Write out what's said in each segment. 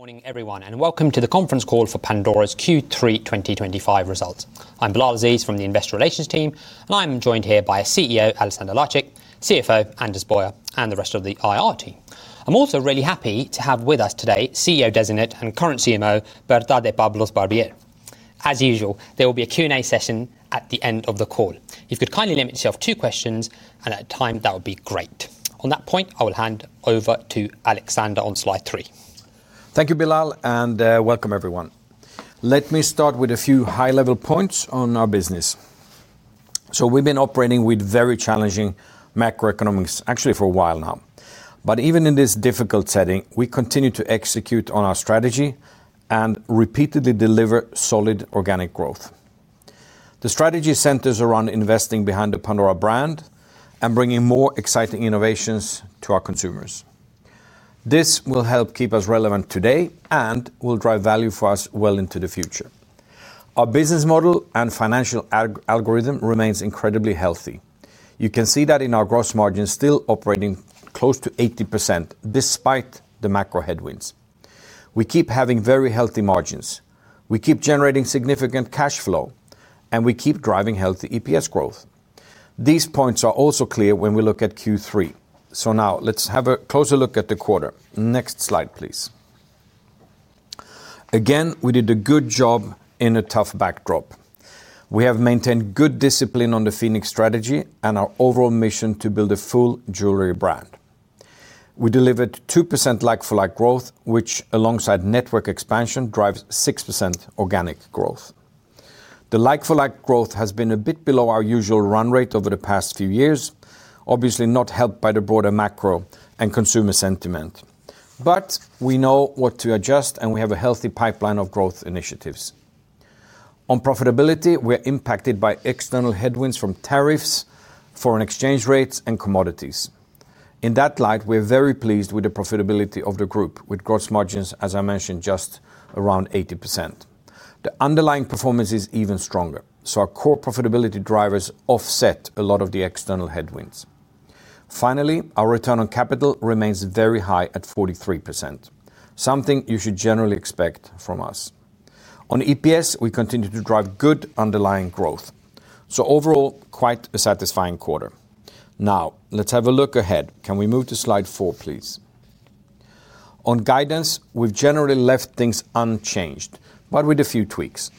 Morning everyone and welcome to the conference call for Pandora's Q3 2025 results. I'm Bilal Aziz from the Investor Relations team and I'm joined here by CEO Alexander Lacik, CFO Anders Boyer and the rest of the IR team. I'm also really happy to have with us today CEO designate and current CMO Berta de Pablos-Barbier. As usual, there will be a Q and A session at the end of the call. If you could kindly limit yourself to two questions and at times that would be great. On that point I will hand over to Alexander on slide three. Thank you Bilal and welcome everyone. Let me start with a few high level points on our business. We've been operating with very challenging macroeconomics actually for a while now. Even in this difficult setting we continue to execute on our strategy and repeatedly deliver solid organic growth. The strategy centers around investing behind the Pandora brand and bringing more exciting innovations to our consumers. This will help keep us relevant today and will drive value for us well into the future. Our business model and financial algorithm remains incredibly healthy. You can see that in our gross margins still operating close to 80% despite the macro headwinds, we keep having very healthy margins, we keep generating significant cash flow and we keep driving healthy EPS growth. These points are also clear when we look at Q3. Now let's have a closer look at the quarter. Next slide please. Again, we did a good job in a tough backdrop. We have maintained good discipline on the Phoenix strategy and our overall mission to build a full jewelry brand. We delivered 2% like-for-like growth which alongside network expansion drives 6% of organic growth. The like-for-like growth has been a bit below our usual run rate over the past few years. Obviously not helped by the broader macro and consumer sentiment. We know what to adjust and we have a healthy pipeline of growth initiatives. On profitability, we are impacted by external headwinds from tariffs, foreign exchange rates, and commodities. In that light, we are very pleased with the profitability of the group. With gross margins as I mentioned, just around 80%. The underlying performance is even stronger. Our core profitability drivers offset a lot of the external headwinds. Finally, our return on capital remains very high at 43%, something you should generally expect from us. On EPS, we continue to drive good underlying growth, so overall quite a satisfying quarter. Now let's have a look ahead. Can we move to slide 4 please? On guidance, we've generally left things unchanged, but with a few tweaks.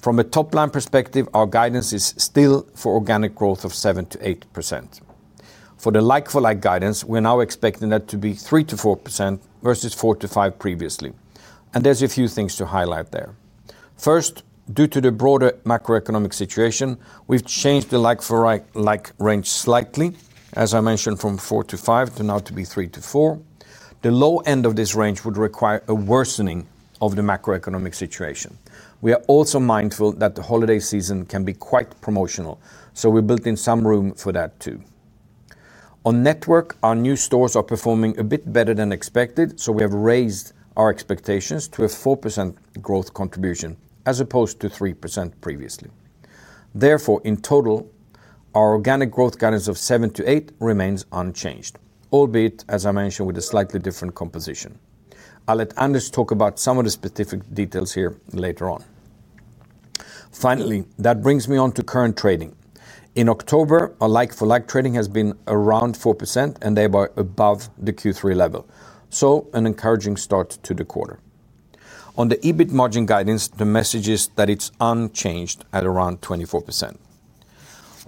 From a top line perspective, our guidance is still for organic growth of 7-8%. For the like-for-like guidance, we're now expecting that to be 3-4% versus 4-5% previously, and there's a few things to highlight there. First, due to the broader macroeconomic situation, we've changed the like-for-like range slightly. As I mentioned, from 4-5% to now 3-4%. The low end of this range would require a worsening of the macroeconomic situation. We are also mindful that the holiday season can be quite promotional, so we built in some room for that too. On network, our new stores are performing a bit better than expected, so we have raised our expectations to a 4% growth contribution as opposed to 3% previously. Therefore, in total, our organic growth guidance of 7-8% remains unchanged, albeit as I mentioned, with a slightly different composition. I'll let Anders talk about some of the specific details here later on. Finally, that brings me on to current trading in October. Our like-for-like trading has been around 4% and thereby above the Q3 level. An encouraging start to the quarter. On the EBIT margin guidance, the message is that it's unchanged at around 24%.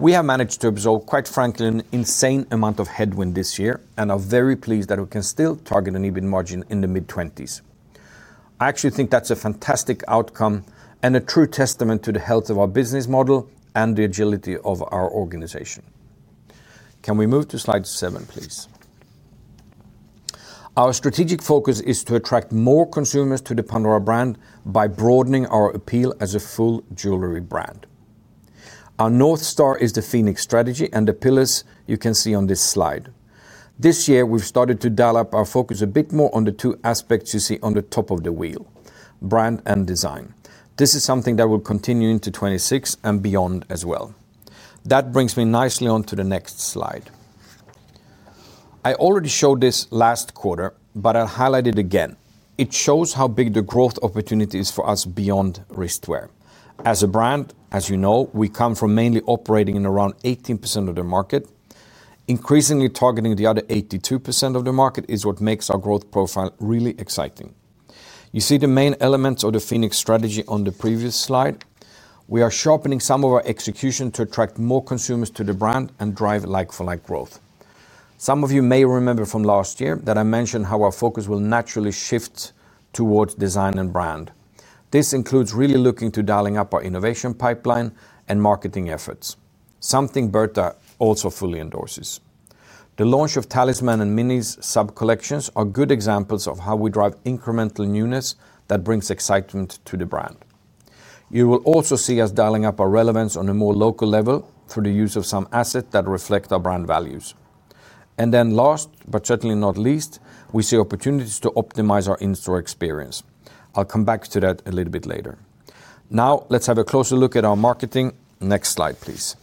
We have managed to absorb, quite frankly, an insane amount of headwind this year and are very pleased that we can still target an EBIT margin in the mid-20s. I actually think that's a fantastic outcome and a true testament to the health of our business model and the agility of our organization. Can we move to slide 7, please? Our strategic focus is to attract more consumers to the Pandora brand by broadening our appeal as a full jewellery brand. Our North Star is the Phoenix strategy and the pillars you can see on this slide. This year we've started to dial up our focus a bit more on the two aspects you see on the top of the wheel, brand and design. This is something that will continue into 2026 and beyond as well. That brings me nicely on to the next slide. I already showed this last quarter, but I'll highlight it again. It shows how big the growth opportunity is for us beyond wristwear as a brand. As you know, we come from mainly operating in around 18% of the market. Increasingly targeting the other 82% of the market is what makes our growth profile really exciting. You see the main elements of the Phoenix strategy on the previous slide. We are sharpening some of our execution to attract more consumers to the brand and drive like-for-like growth. Some of you may remember from last year that I mentioned how our focus will naturally shift towards design and brand. This includes really looking to dialing up our innovation pipeline and marketing efforts, something Berta also fully endorses. The launch of Talisman and Minis sub collections are good examples of how we drive incremental newness that brings excitement to the brand. You will also see us dialing up our relevance on a more local level through the use of some assets that reflect our brand values. Last but certainly not least, we see opportunities to optimize our in store experience. I'll come back to that a little bit later. Now let's have a closer look at our marketing. Next slide please.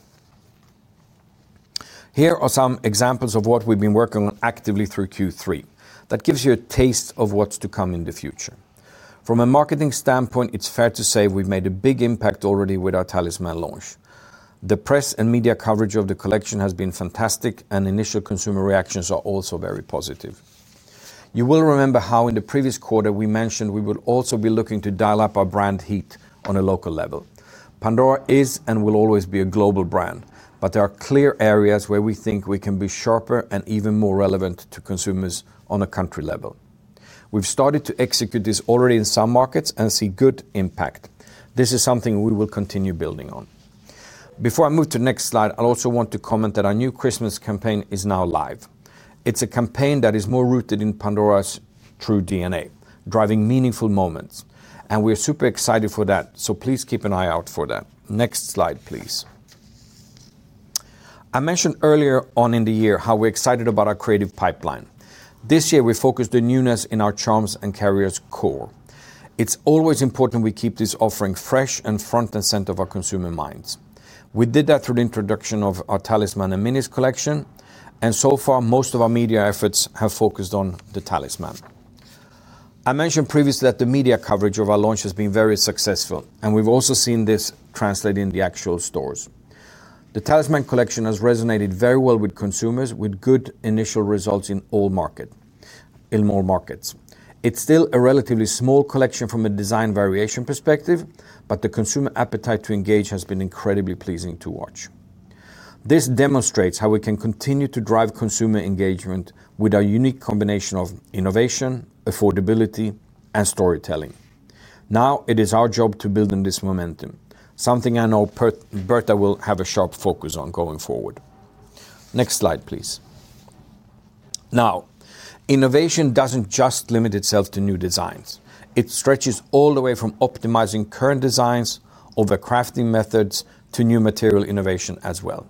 Here are some examples of what we've been working on actively through Q3 that gives you a taste of what's to come in the future. From a marketing standpoint, it's fair to say we've made a big impact already with our Talisman launch. The press and media coverage of the collection has been fantastic and initial consumer reactions are also very positive. You will remember how in the previous quarter we mentioned we will also be looking to dial up our brand heat on a local level. Pandora is and will always be a global brand, but there are clear areas where we think we can be sharper and even more relevant to consumers on a country level, we've started to execute this already in some markets and see good impact. This is something we will continue building on. Before I move to next slide, I also want to comment that our new Christmas campaign is now live. It's a campaign that is more rooted in Pandora's true DNA driving meaningful moments and we are super excited for that. Please keep an eye out for that. Next slide please. I mentioned earlier on in the year how we're excited about our creative pipeline. This year we focused the newness in our charms and carriers core. It's always important we keep this offering fresh and front and center of our consumer minds. We did that through the introduction of our Talisman and Minis collection and so far most of our media efforts have focused on the Talisman. I mentioned previously that the media coverage of our launch has been very successful and we've also seen this translate in the actual stores. The Talisman collection has resonated very well with consumers with good initial results in all markets. In more markets, it's still a relatively small collection from a design variation perspective, but the consumer appetite to engage has been incredibly pleasing to watch. This demonstrates how we can continue to drive consumer engagement with our unique combination of innovation, affordability and storytelling. Now it is our job to build on this momentum, something I know Berta will have a sharp focus on going forward. Next slide please. Now, innovation does not just limit itself to new designs. It stretches all the way from optimizing current designs over crafting methods to new material innovation as well.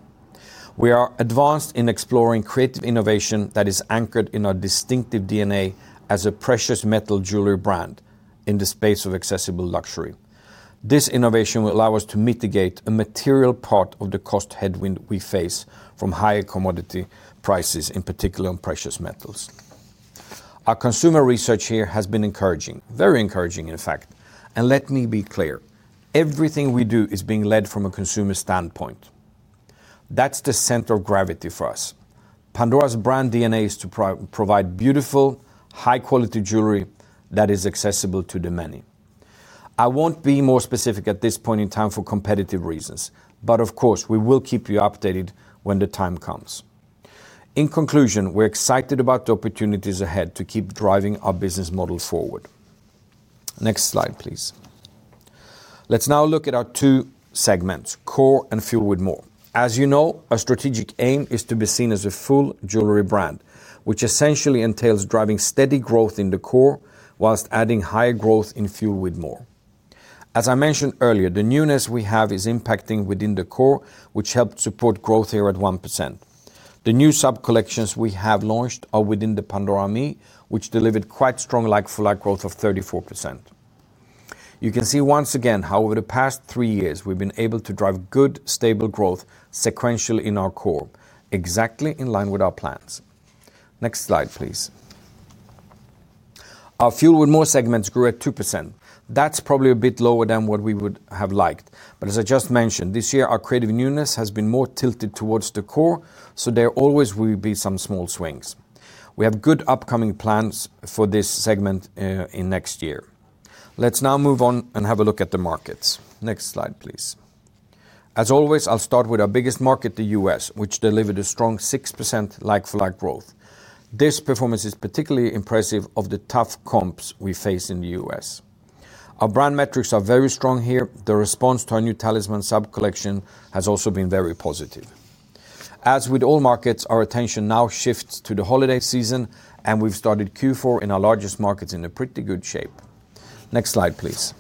We are advanced in exploring creative innovation that is anchored in our distinctive DNA as a precious metal jewelry brand in the space of accessible luxury. This innovation will allow us to mitigate a material part of the cost headwind we face from higher commodity prices, in particular on precious metals. Our consumer research here has been encouraging, very encouraging in fact, and let me be clear, everything we do is being led from a consumer standpoint. That is the center of gravity for us. Pandora's brand DNA is to provide beautiful, high quality jewelry that is accessible to the many. I won't be more specific at this point in time for competitive reasons, but of course we will keep you updated when the time comes. In conclusion, we're excited about the opportunities ahead to keep driving our business model forward. Next slide please. Let's now look at our two segments, Core and Fuel with More. As you know, our strategic aim is to be seen as a full jewelry brand which essentially entails driving steady growth in the core whilst adding higher growth in Fuel with More. As I mentioned earlier, the newness we have is impacting within the core which helped support growth here at 1%. The new sub collections we have launched are within the Pandora ME which delivered quite strong like-for-like growth of 34%. You can see once again how over the past three years we've been able to drive good, stable growth sequentially in our core, exactly in line with our plans. Next slide please. Our Fuel with More segments grew at 2%. That's probably a bit lower than what we would have liked, but as I just mentioned, this year our creative newness has been more tilted towards the core, so there always will be some small swings. We have good upcoming plans for this segment in next year. Let's now move on and have a look at the markets. Next slide please. As always, I'll start with our biggest market, the U.S., which delivered a strong 6% like-for-like growth. This performance is particularly impressive of the tough comps we face in the U.S. Our brand metrics are very strong here. The response to our new Talisman sub-collection has also been very positive. As with all markets, our attention now shifts to the holiday season, and we've started Q4 in our largest markets in a pretty good shape. Next slide please.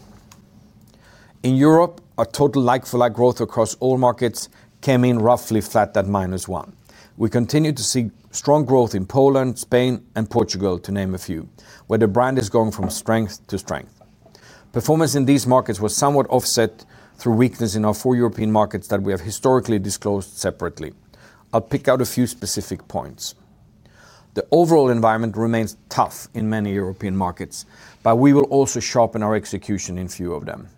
In Europe, total like-for-like growth across all markets came in roughly flat at minus 1%. We continue to see strong growth in Poland, Spain, and Portugal, to name a few, where the brand is going from strength to strength. Performance in these markets was somewhat offset through weakness in our four European markets that we have historically disclosed separately. I'll pick out a few specific points. The overall environment remains tough in many European markets, but we will also sharpen our execution in a few of them.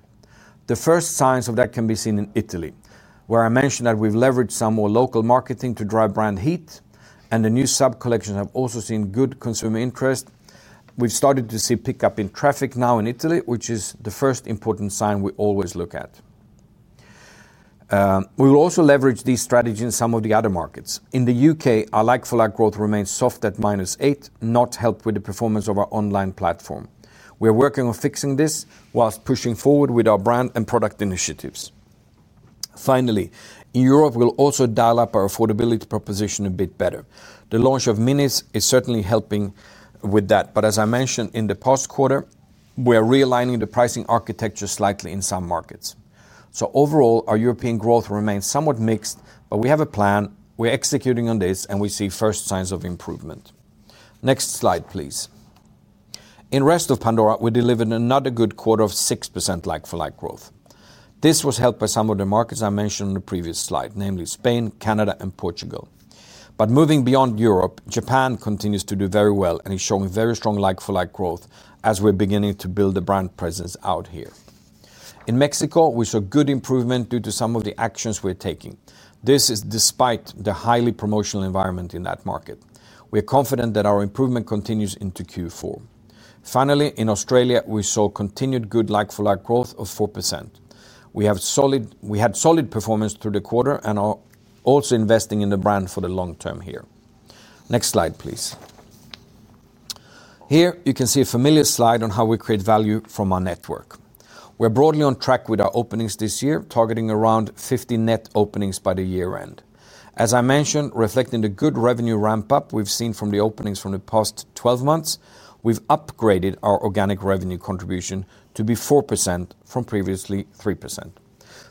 The first signs of that can be seen in Italy where I mentioned that we've leveraged some more local marketing to drive brand heat and the new sub collections have also seen good consumer interest. We've started to see pick up in traffic now in Italy, which is the first important sign we always look at. We will also leverage these strategies in some of the other markets. In the U.K. our like-for-like growth remains soft at minus 8%. Not helped with the performance of our online platform. We are working on fixing this whilst pushing forward with our brand and product initiatives. Finally in Europe we'll also dial up our affordability proposition a bit better. The launch of Minis is certainly helping with that, but as I mentioned in the past quarter we are realigning the pricing architecture slightly in some markets. Overall our European growth remains somewhat mixed. We have a plan, we're executing on this, and we see first signs of improvement. Next slide please. In Rest of Pandora, we delivered another good quarter of 6% like-for-like growth. This was helped by some of the markets I mentioned on the previous slide, namely Spain, Canada, and Portugal. Moving beyond Europe, Japan continues to do very well and is showing very strong like-for-like growth as we're beginning to build a brand presence out here. In Mexico, we saw good improvement due to some of the actions we're taking. This is despite the highly promotional environment in that market. We are confident that our improvement continues into Q4. Finally, in Australia, we saw continued good like-for-like growth of 4%. We had solid performance through the quarter and are also investing in the brand for the long term here. Next slide please. Here you can see a familiar slide on how we create value from our network. We're broadly on track with our openings this year, targeting around 50 net openings by the year end as I mentioned, reflecting the good revenue ramp up we've seen from the openings. From the past 12 months we've upgraded our organic revenue contribution to be 4% from previously 3%.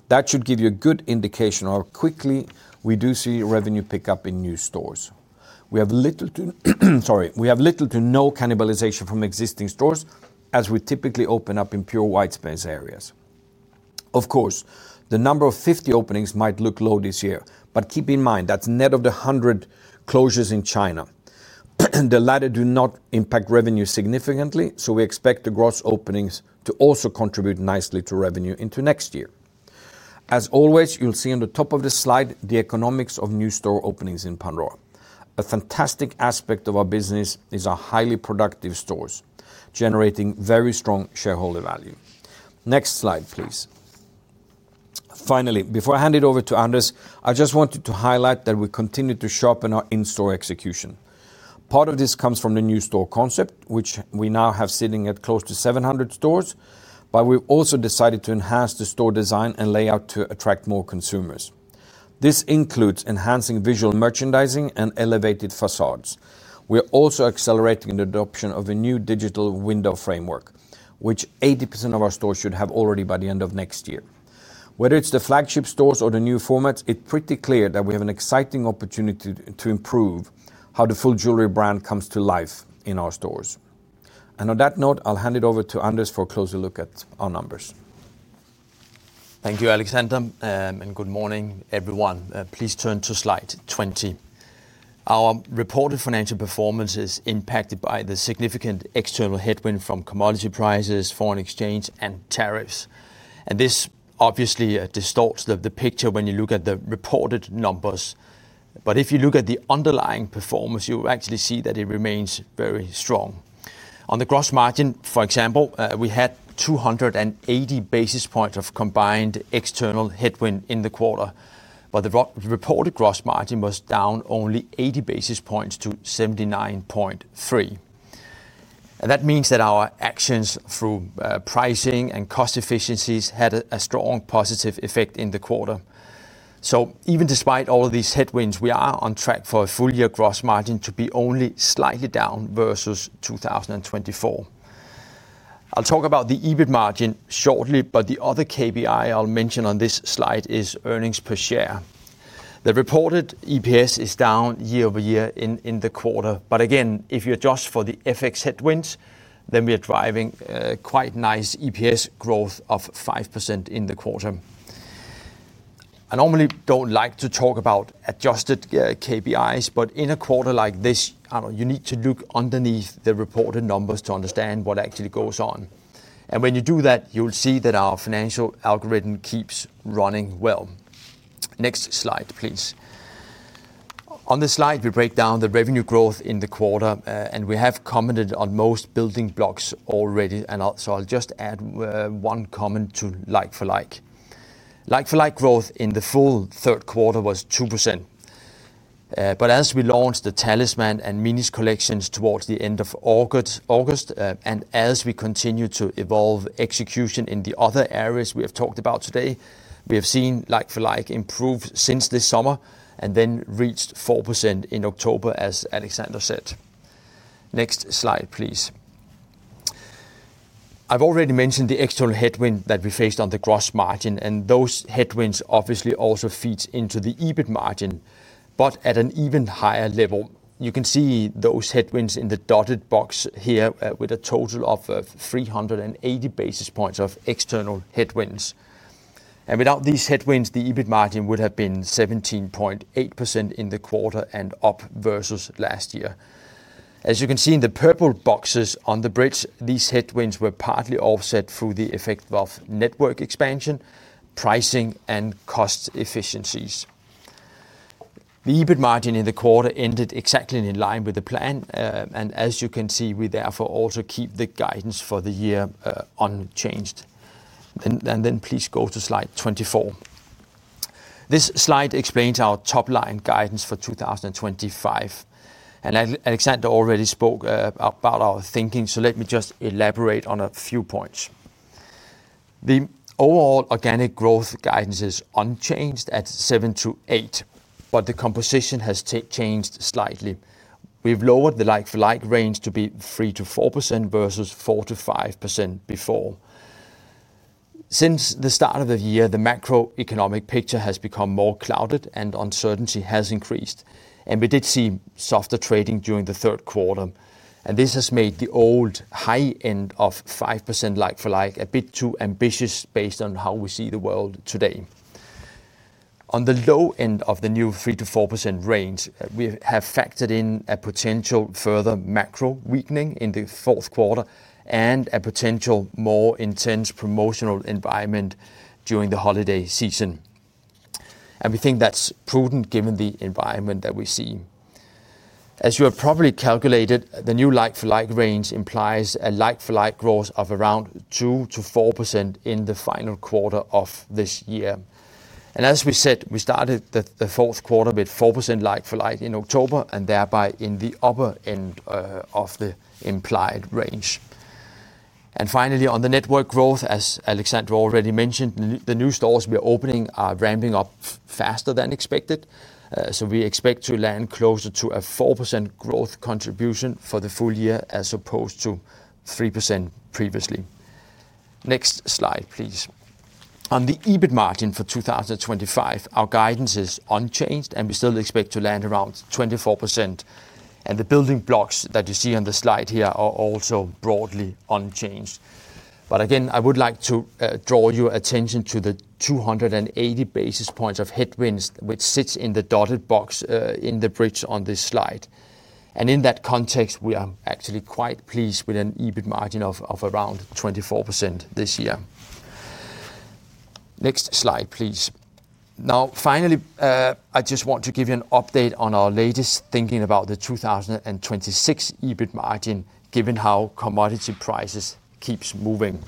That should give you a good indication of how quickly we do see revenue pick up in new stores. We have little to no cannibalization from existing stores as we typically open up in pure white space areas of course, the number of 50 openings might look low this year, but keep in mind that's net of the 100 closures in China. The latter do not impact revenue significantly, so we expect the gross openings to also contribute nicely to revenue into next year. As always, you'll see on the top of the slide the economics of new store openings. In Pandora, a fantastic aspect of our business is our highly productive stores generating very strong shareholder value. Next slide please. Finally, before I hand it over to Anders, I just wanted to highlight that we continue to sharpen our in-store execution. Part of this comes from the new store concept which we now have sitting at close to 700 stores. We have also decided to enhance the store design and layout to attract more consumers. This includes enhancing visual merchandising and elevated facades. We are also accelerating the adoption of a new digital window framework, which 80% of our stores should have already by the end of next year. Whether it is the flagship stores or the new formats, it is pretty clear that we have an exciting opportunity to improve how the full jewelry brand comes to life in our stores. On that note, I will hand it over to Anders for a closer look at our numbers. Thank you Alexander and good morning everyone. Please turn to Slide 20. Our reported financial performance is impacted by the significant external headwind from commodity prices, foreign exchange and tariffs. This obviously distorts the picture when you look at the reported numbers. If you look at the underlying performance, you actually see that it remains very strong on the gross margin. For example, we had 280 basis points of combined external headwind in the quarter, but the reported gross margin was down only 80 basis points to 79.3%. That means that our actions through pricing and cost efficiencies had a strong positive effect in the quarter. Even despite all of these headwinds, we are on track for a full year gross margin to be only slightly down versus 2024. I'll talk about the EBIT margin shortly, but the other KPI I'll mention on this slide is earnings per share. The reported EPS is down year over year in the quarter, but again if you adjust for the FX headwinds, then we are driving quite nice EPS growth of 5% in the quarter. I normally don't like to talk about adjusted KPIs, but in a quarter like this, you need to look underneath the reported numbers to understand what actually goes on. When you do that, you'll see that our financial algorithm keeps running well. Next slide please. On this slide we break down the revenue growth in the quarter and we have commented on most building blocks already and so I'll just add one comment to like-for-like. Like-for-like growth in the full third quarter was 2%. As we launch the Talisman and Minis collections towards the end of August and as we continue to evolve execution in the other areas we have talked about today, we have seen like-for-like improve since this summer and then reached 4% in October. As Alexander said. Next slide please. I have already mentioned the external headwind that we faced on the gross margin, and those headwinds obviously also feed into the EBIT margin, but at an even higher level. You can see those headwinds in the dotted box here. With a total of 50-380 basis points of external headwinds and without these headwinds the EBIT margin would have been 17.8% in the quarter and up versus last year. As you can see in the purple boxes on the bridge, these headwinds were partly offset through the effect of network expansion, pricing and cost efficiencies. The EBIT margin in the quarter ended exactly in line with the plan and as you can see, we therefore also keep the guidance for the year unchanged. Please go to slide 24. This slide explains our top line guidance for 2025 and Alexander already spoke about our thinking, so let me just elaborate on a few points. The overall organic growth guidance is unchanged at 7-8%, but the composition has changed slightly. We've lowered the like-for-like range to be 3-4% versus 4-5% before. Since the start of the year, the macroeconomic picture has become more clouded and uncertainty has increased and we did see softer trading during the third quarter and this has made the old high end of 5% like-for-like a bit too ambitious based on how we see the world today. On the low end of the new 3-4% range, we have factored in a potential further macro weakening in the fourth quarter and a potential more intense promotional environment during the holiday season, and we think that's prudent given the environment that we see. As you have properly calculated, the new like-for-like range implies a like-for-like growth of around 2-4% in the final quarter of this year. As we said, we started the fourth quarter with 4% like-for-like in October and thereby in the upper end of the implied range. Finally, on the network growth, as Alexander already mentioned, the new stores we are opening are ramping up faster than expected, so we expect to land closer to a 4% growth contribution for the full year as opposed to 3% previously. Next slide please. On the EBIT margin for 2025, our guidance is unchanged and we still expect to land around 24%. The building blocks that you see on the slide here are also broadly unchanged. Again I would like to draw your attention to the 280 basis points of headwinds which sits in the dotted box in the bridge on this slide. In that context we are actually quite pleased with an EBIT margin of around 24% this year. Next slide please. Now finally, I just want to give you an update on our latest thinking about the 2026 EBIT margin given how commodity prices keeps moving.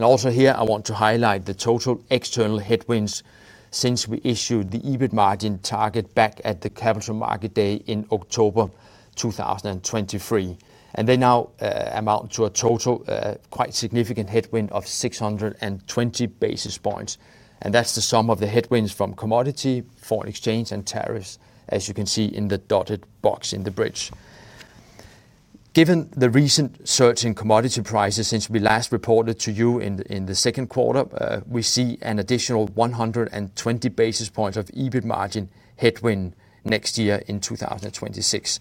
Also here I want to highlight the total external headwinds since we issued the EBIT margin target back at the Capital Markets Day in October 2023 and they now amount to a total quite significant headwind of 620 basis points. That is the sum of the headwinds from commodity, foreign exchange, and tariffs. As you can see in the dotted box in the bridge, given the recent surge in commodity prices since we last reported to you in the second quarter, we see an additional 120 basis points of EBIT margin headwind next year in 2026,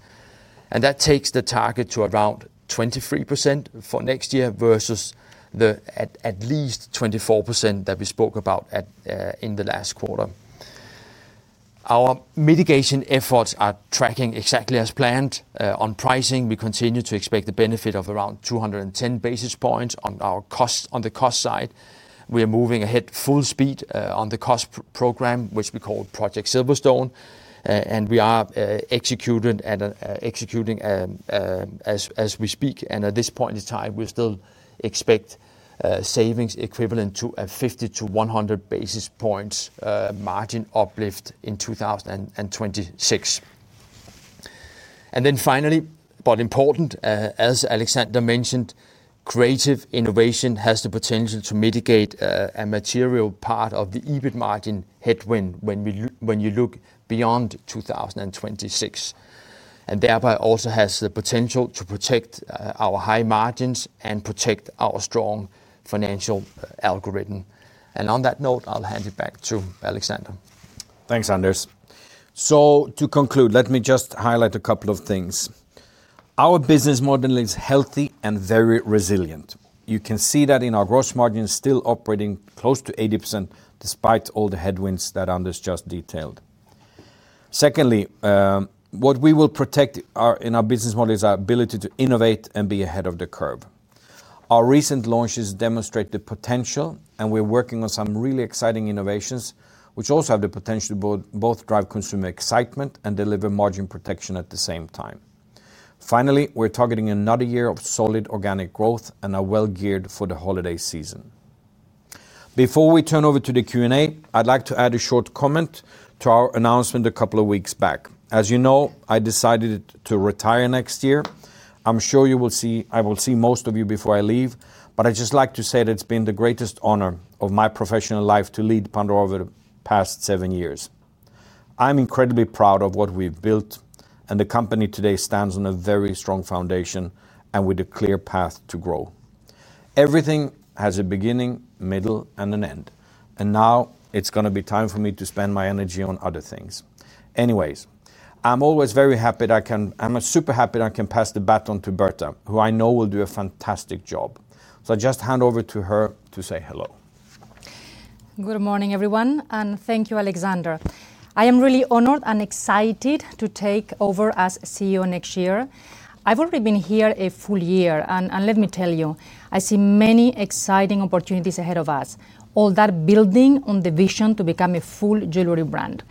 and that takes the target to around 23% for next year versus the at least 24% that we spoke about in the last quarter. Our mitigation efforts are tracking exactly as planned on pricing. We continue to expect the benefit of around 210 basis points on our cost. On the cost side, we are moving ahead full speed on the cost program, which we call Project Silverstone, and we are executing as we speak. At this point in time we still expect savings equivalent to a 50-100 basis points margin uplift in 2026. Finally, as Alexander mentioned, creative innovation has the potential to mitigate a material part of the EBIT margin headwind when you look beyond 2026 and thereby also has the potential to protect our high margins and protect our strong financial algorithm. On that note, I'll hand it back to Alexander. Thanks, Anders. To conclude, let me just highlight a couple of things. Our business model is healthy and very resilient. You can see that in our gross margin still operating close to 80% despite all the headwinds that Anders just detailed. Secondly, what we will protect in our business model is our ability to innovate and be ahead of the curve. Our recent launches demonstrate the potential and we're working on some really exciting innovations, which also have the potential to both drive consumer excitement and deliver margin protection at the same time. Finally, we're targeting another year of solid organic growth and are well geared for the holiday season. Before we turn over to the Q and A, I'd like to add a short comment to our announcement a couple of weeks back. As you know, I decided to retire next year. I'm sure you will see, I will see most of you before I leave, but I'd just like to say that it's been the greatest honor of my professional life to lead Pandora over the past seven years. I'm incredibly proud of what we've built and the company today stands on a very strong foundation and with a clear path to grow. Everything has a beginning, middle, and an end. Now it's going to be time for me to spend my energy on other things. Anyways, I'm always very happy that I'm super happy. I can pass the bat on to Berta, who I know will do a fantastic job. I just hand over to her to say hello. Good morning, everyone, and thank you, Alexander. I am really honored and excited to take over as CEO next year. I've already been here a full year and let me tell you, I see many exciting opportunities ahead of us. All that building on the vision to become a full jewelry brand.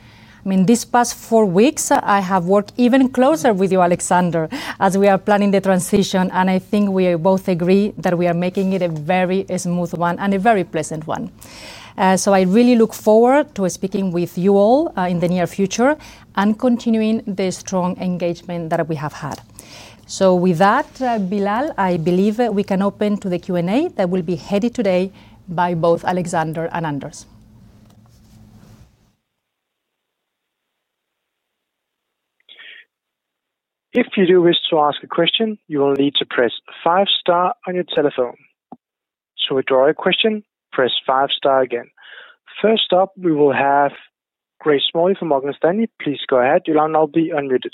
I mean, these past four weeks, I have worked even closer with you, Alexander, as we are planning the transition. I think we both agree that we are making it a very smooth one and a very pleasant one. I really look forward to speaking with you all in the near future and continuing this strong engagement that we have had. With that, Bilal, I believe we can open to the Q and A that will be headed today by both Alexander and Anders. If you do wish to ask a question, you will need to press five star on your telephone. To withdraw a question, press five star again. First up, we will have Grace Smalley from Morgan Stanley. Please go ahead. You will now be unmuted.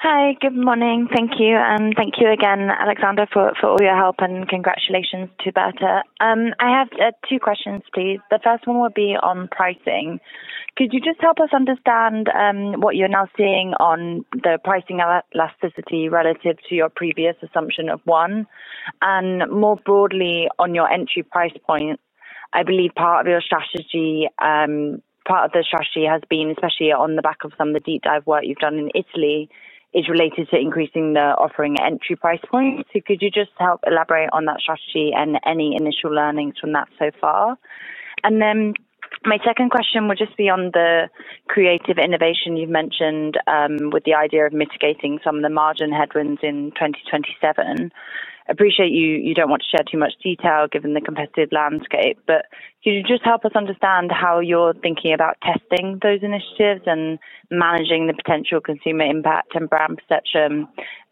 Hi, good morning. Thank you. And thank you again, Alexander, for all your help and congratulations to Berta. I have two questions, please. The first one would be on pricing. Could you just help us understand what you are now seeing on the pricing elasticity relative to your previous assumption of one and more broadly, on your entry price point? I believe part of your strategy, part of the strategy has been, especially on the back of some of the deep dive work you have done in Italy, is related to increasing the offering entry price points. Could you just help elaborate on that strategy and any initial learnings from that so far. My second question would just be on the creative innovation you have mentioned with the idea of mitigating some of the margin headwinds in 2027. I appreciate you do not want to share too much detail given the competitive landscape, but could you just help us understand how you are thinking about testing those, managing the potential consumer impact and brand perception,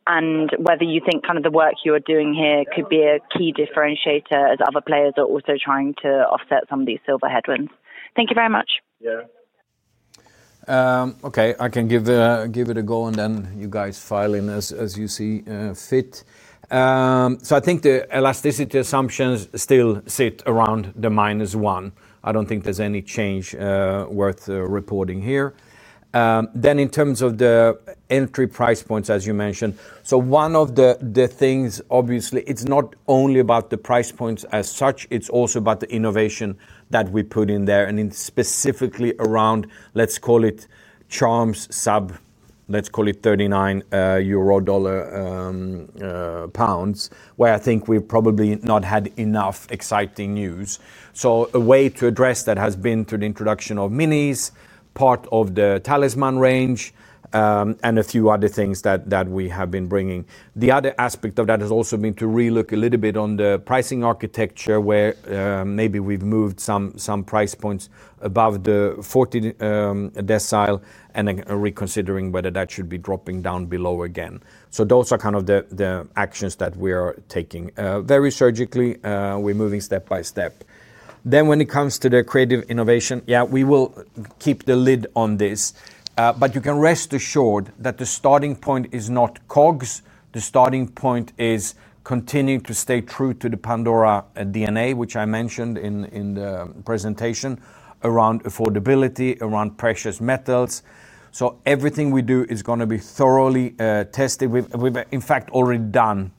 and whether you think kind of the work you are doing here could be a key differentiator as other players are also trying to offset some of these silver headwinds. Thank you very much. Okay, I can give it a go and then you guys file in as you see fit. I think the elasticity assumptions still sit around the minus one. I do not think there is any change worth reporting here in terms of the entry price points as you mentioned. One of the things, obviously, it is not only about the price points as such, it is also about the innovation that we put in there and specifically around, let us call it charms sub, let us call it EUR 39, GBP 39, where I think we have probably not had enough exciting news. A way to address that has been through the introduction of Minis, part of the Talisman range, and a few other things that we have been bringing. The other aspect of that has also been to relook a little bit on the pricing architecture where maybe we've moved some price points above the 40 decile and reconsidering whether that should be dropping down below again. Those are kind of the actions that we are taking very surgically. We're moving step by step then when it comes to the creative innovation. Yeah, we will keep the lid on this, but you can rest assured that the starting point is not cogs. The starting point is continuing to stay true to the Pandora DNA which I mentioned in the presentation around affordability, around precious metals. Everything we do is going to be thoroughly tested we've in fact already done,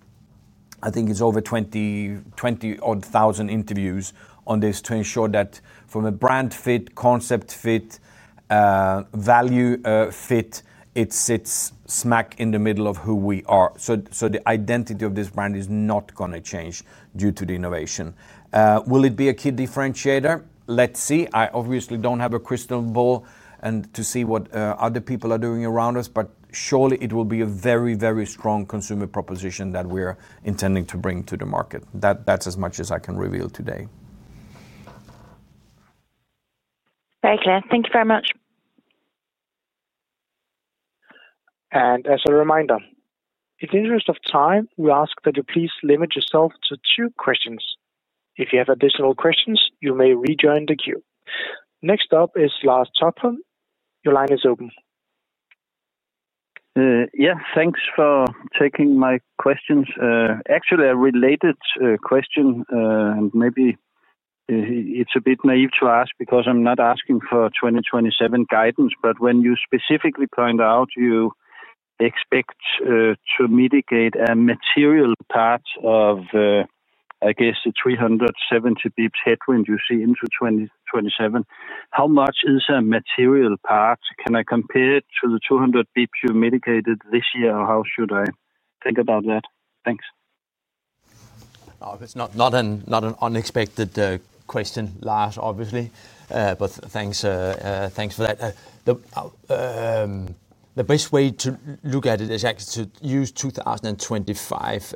I think it's over 20-odd thousand interviews on this to ensure that from a brand fit, concept fit, value fit, it sits smack in the middle of who we are. So the identity of this brand is not going to change due to the innovation. Will it be a key differentiator? Let's see. I obviously don't have a crystal ball to see what other people are doing around us, but surely it will be a very, very strong consumer proposition that we are intending to bring to the market. That's as much as I can reveal today. Very clear. Thank you very much. As a reminder, in the interest of time, we ask that you please limit yourself to two questions. If you have additional questions, you may rejoin the queue. Next up is Lars Topholm. Your line is open. Yeah, thanks for taking my questions. Actually, a related question, and maybe it's a bit naive to ask because I'm not asking for 2027 guidance, but when you specifically point out you expect to mitigate a material part of, I guess, the 370 basis points headwind you see into 2027, how much is a material part? Can I compare to the 200 basis points you mitigated this year? How should I think about that? Thanks. It's not an unexpected question, Lars, obviously, but thanks for that. The best way to look at it is actually to use 2025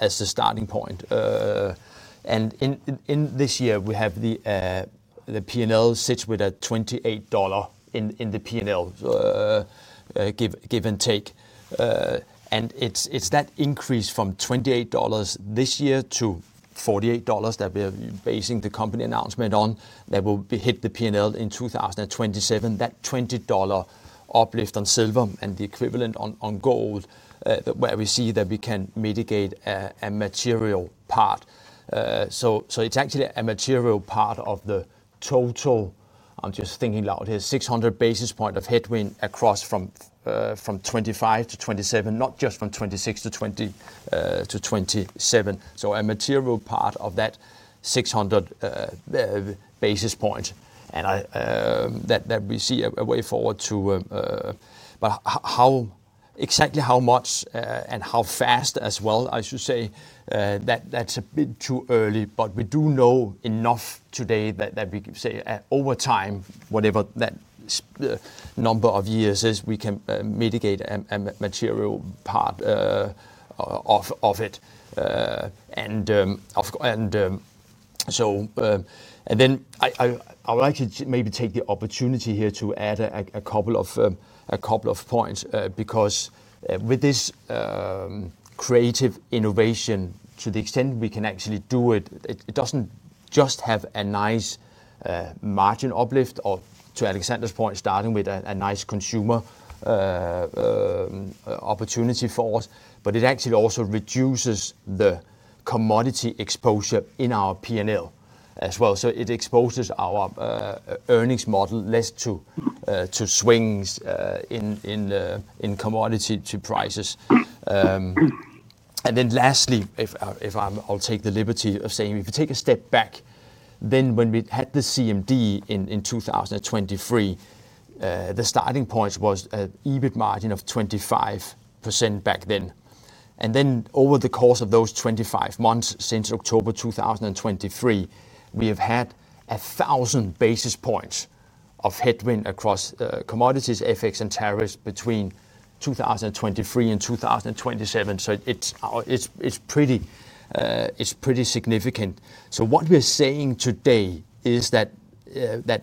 as the starting point. In this year we have the P&L sits with a $28 in the P&L, give and take. It is that increase from $28 this year to $48 that we are basing the company announcement on that will hit the P&L in 2027. That $20 uplift on silver and the equivalent on gold, where we see that we can mitigate a material part. It is actually a material part of the total. I'm just thinking loud here, 600 basis points of headwind across from 2025 to 2027, not just from 2026 to 2027. A material part of that 600 basis points and that we see a way forward to. How, exactly how much and how fast as well, I should say that that's a bit too early, but we do know enough today that we can say over time, whatever that number of years is, we can mitigate a material part of it. I would like to maybe take the opportunity here to add a couple of points because with this creative innovation, to the extent we can actually do it, it does not just have a nice margin uplift or to Alexander's point, starting with a nice consumer opportunity for us, but it actually also reduces the commodity exposure in our P&L as well. It exposes our earnings model less to swings in commodity prices. Lastly, I'll take the liberty of saying if you take a step back then, when we had the CMD in 2023, the starting point was an EBIT margin of 25% back then. Over the course of those 25 months since October 2023, we have had 1,000 basis points of headwind across commodities, effects, and tariffs between 2023 and 2027. It is pretty significant. What we are saying today is that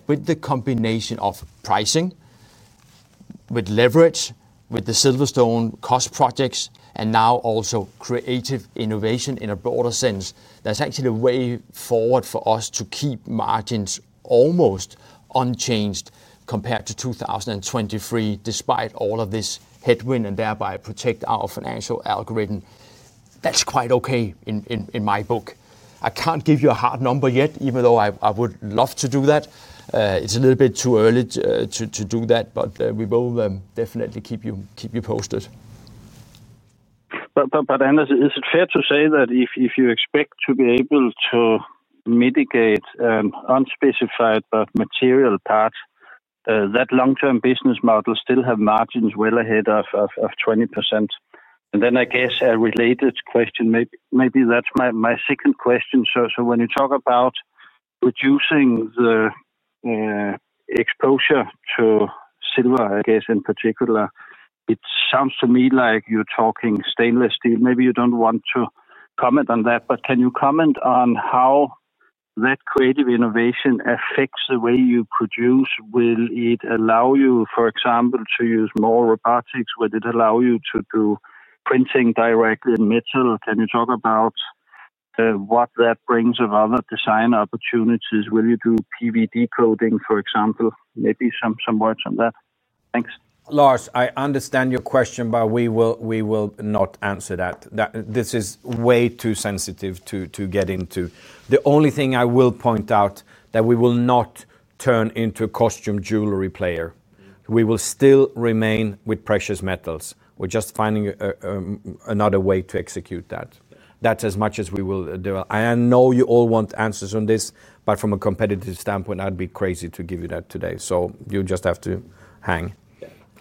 with the combination of pricing with leverage, with the Silverstone cost projects, and now also creative innovation in a broader sense, there is actually a way forward for us to keep margins almost unchanged compared to 2023 despite all of this headwind and thereby protect our financial algorithm. That is quite okay in my book. I cannot give you a hard number yet, even though I would love to do that. It's a little bit too early to do that. We will definitely keep you posted. Anders, is it fair to say that if you expect to be able to mitigate unspecified material parts, that long term business model still has margins well ahead of 20%? I guess a related question, maybe that's my second question. When you talk about reducing the exposure to silver, I guess in particular it sounds to me like you're talking stainless steel. Maybe you do not want to comment on that, but can you comment on how that creative innovation affects the way you produce? Will it allow you, for example, to use more robotics? Would it allow you to do printing directly in metal? Can you talk about what that brings of other design opportunities? Will you do PVD coating, for example? Maybe some words on that. Thanks, Lars. I understand your question, but we will not answer that. This is way too sensitive to get into. The only thing I will point out is that we will not turn into a costume jewelry player. We will still remain with precious metals. We're just finding another way to execute that. That's as much as we will do. I know you all want answers on this, but from a competitive standpoint, I'd be crazy to give you that today. You just have to hang.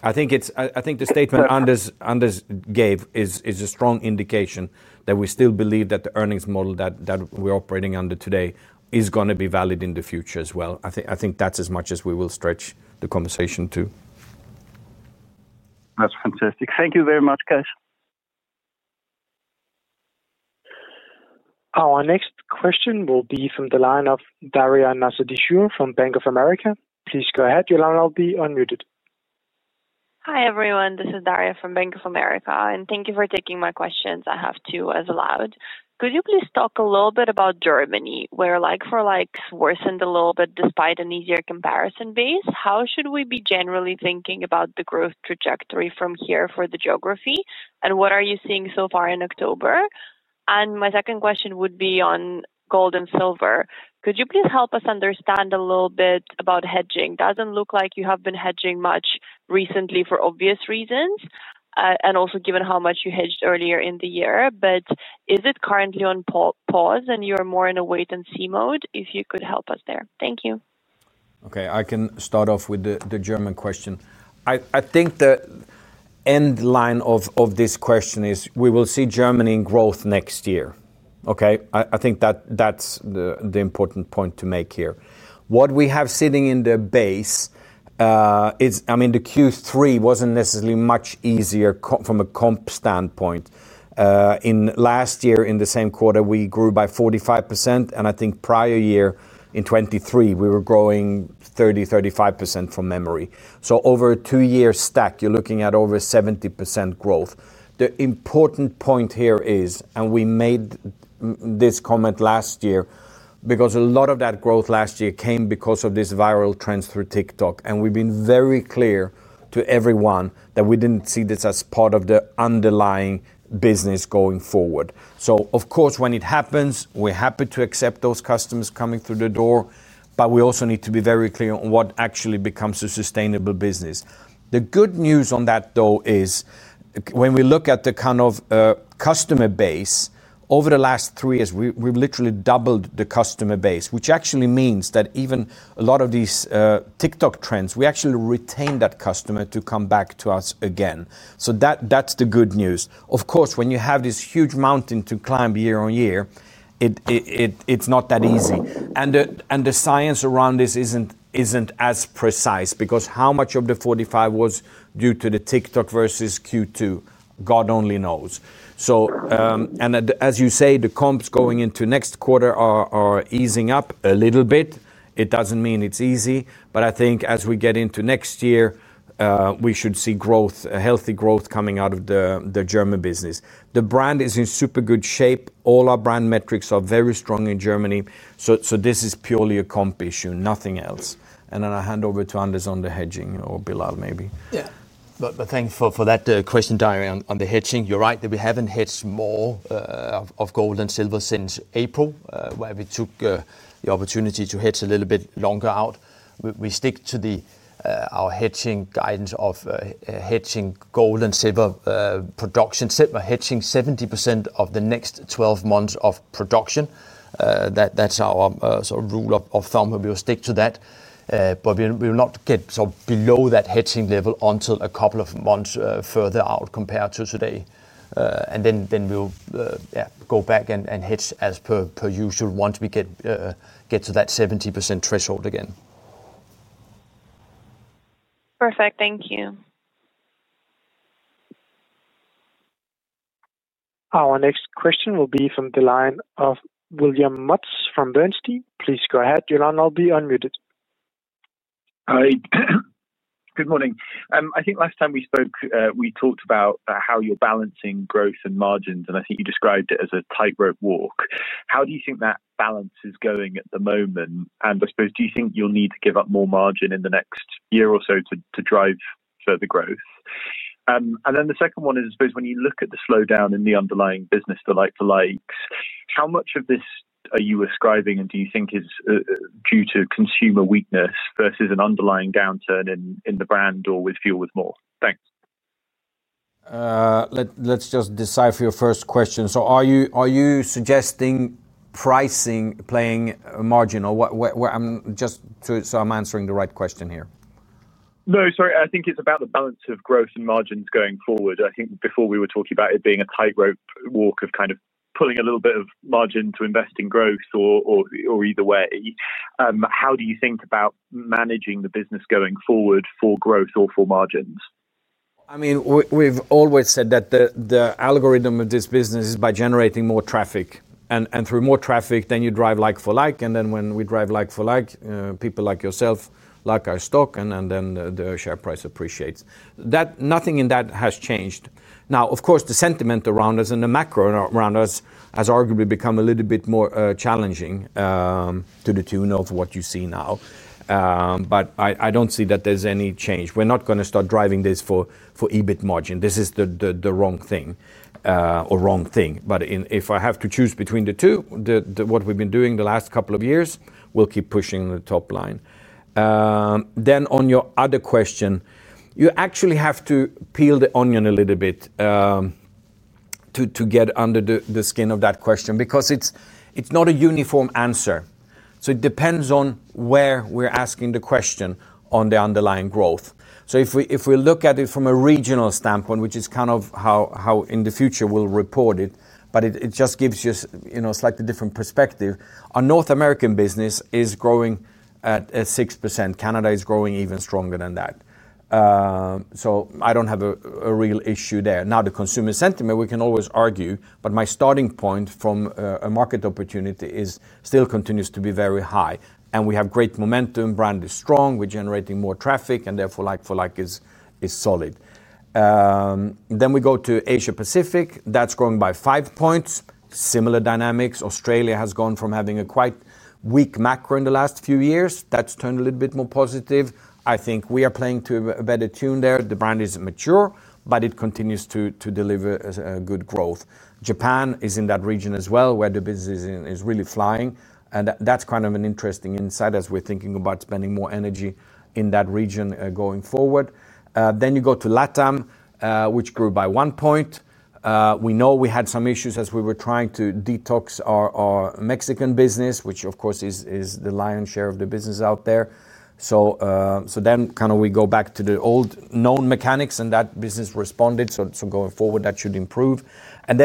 I think the statement Anders gave is a strong indication that we still believe that the earnings model that we're operating under today is going to be valid in the future as well. I think that's as much as we will stretch the conversation to. That's fantastic. Thank you very much guys. Our next question will be from the line of Daria Nasledysheva from Bank of America. Please go ahead. Your line will be unmuted. Hi everyone, this is Daria from Bank of America and thank you for taking my questions. I have two as allowed. Could you please talk a little bit about Germany where like-for-like worsened a little bit despite an easier comparison base. How should we be generally thinking about the growth trajectory from here for the geography and what are you seeing so far in October? My second question would be on gold and silver. Could you please help us understand a little bit about hedging? Doesn't look like you have been hedging much recently for obvious reasons and also given how much you hedged earlier in the year. Is it currently on pause and you're more in a wait and see mode? If you could help us there. Thank you. Okay, I can start off with the German question. I think that end line of this question is we will see Germany in growth next year. Okay, I think that that's the important point to make here. What we have sitting in the base is, I mean the Q3 wasn't necessarily much easier from a comp standpoint. In last year in the same quarter we grew by 45% and I think prior year in 2023 we were growing 30-35% from memory. So over a two year stack you're looking at over 70% growth. The important point here is, and we made this comment last year because a lot of that growth last year came because of this viral trends through TikTok. And we've been very clear to everyone that we didn't see this as part of the underlying business going forward. Of course, when it happens we're happy to accept those customers coming through the door, but we also need to be very clear on what actually becomes a sustainable business. The good news on that though is when we look at the kind of customer base over the last three years, we've literally doubled the customer base, which actually means that even a lot of these TikTok trends, we actually retain that customer to come back to us again. That's the good news. Of course, when you have this huge mountain to climb year on year, it's not that easy. The science around this isn't as precise because how much of the 45 was due to the TikTok versus Q2, God only knows. As you say, the comps going into next quarter are easing up a little bit. It doesn't mean it's easy, but I think as we get into next year we should see growth, healthy growth coming out of the German business. The brand is in super good shape. All our brand metrics are very strong in Germany. This is purely a comp issue, nothing else. I hand over to Anders on the hedging or Bilal maybe. Thanks for that question. Daria, on the hedging, you're right that we haven't hedged more of gold and silver since April, where we took the opportunity to hedge a little bit longer out. We stick to our hedging guidance of hedging gold and silver production, so we are hedging 70% of the next 12 months of production. That's our rule of thumb and we'll stick to that. We will not get below that hedging level until a couple of months further out compared to today. We will go back and hedge as per usual once we get to that 70% threshold again. Perfect. Thank you. Our next question will be from the line of William Woods from Bernstein. Please go ahead, Joanne. I'll be unmuted. Hi, good morning. I think last time we spoke, we talked about how you're balancing growth and margins and I think you described it as a tightrope walk. How do you think that balance is going at the moment? I suppose, do you think you'll need to give up more margin in the next year or so to drive further growth? The second one is when you look at the slowdown in the underlying business, the like-for-like, how much of this are you ascribing and do you think is due to consumer weakness versus an underlying downturn in the brand or with Fuel with More. Thanks. Let's just decipher your first question. Are you, are you suggesting pricing, playing margin or just so I'm answering the right question here? No, sorry. I think it's about the balance of growth and margins going forward. I think before we were talking about it being a tightrope walk of kind of pulling a little bit of margin to invest in growth or either way. How do you think about managing the business going forward for growth or for margins? I mean, we've always said that the algorithm of this business is by generating more traffic and through more traffic, then you drive like for like. When we drive like for like, people like yourself like our stock, and then the share price appreciates. Nothing in that has changed. Now, of course, the sentiment around us and the macro around us has arguably become a little bit more challenging to the tune of what you see now. I don't see that there's any change. We're not going to start driving this for EBIT margin. This is the wrong thing or wrong thing. If I have to choose between the two, what we've been doing the last couple of years, we'll keep pushing the top line. On your other question, you actually have to peel the onion a little bit to get under the skin of that question because it's not a uniform answer. It depends on where we're asking the question on the underlying growth. If we look at it from a regional standpoint, which is kind of how in the future we'll report it, it just gives you a slightly different perspective. Our North American business is growing at 6%. Canada is growing even stronger than that. I don't have a real issue there. Now the consumer sentiment we can always argue, but my starting point from a market opportunity still continues to be very high and we have great momentum. Brand is strong, we're generating more traffic and therefore like for like is solid. We go to Asia Pacific, that's growing by five points. Similar dynamics, Australia has gone from having a quite weak macro in the last few years that has turned a little bit more positive. I think we are playing to a better tune there. The brand is mature but it continues to deliver good growth. Japan is in that region as well where the business is really flying. That is kind of an interesting insight as we are thinking about spending more energy in that region going forward. You go to LATAM which grew by one point. We know we had some issues as we were trying to detox our Mexican business which of course is the lion's share of the business out there. We go back to the old known mechanics and that business responded. Going forward that should improve.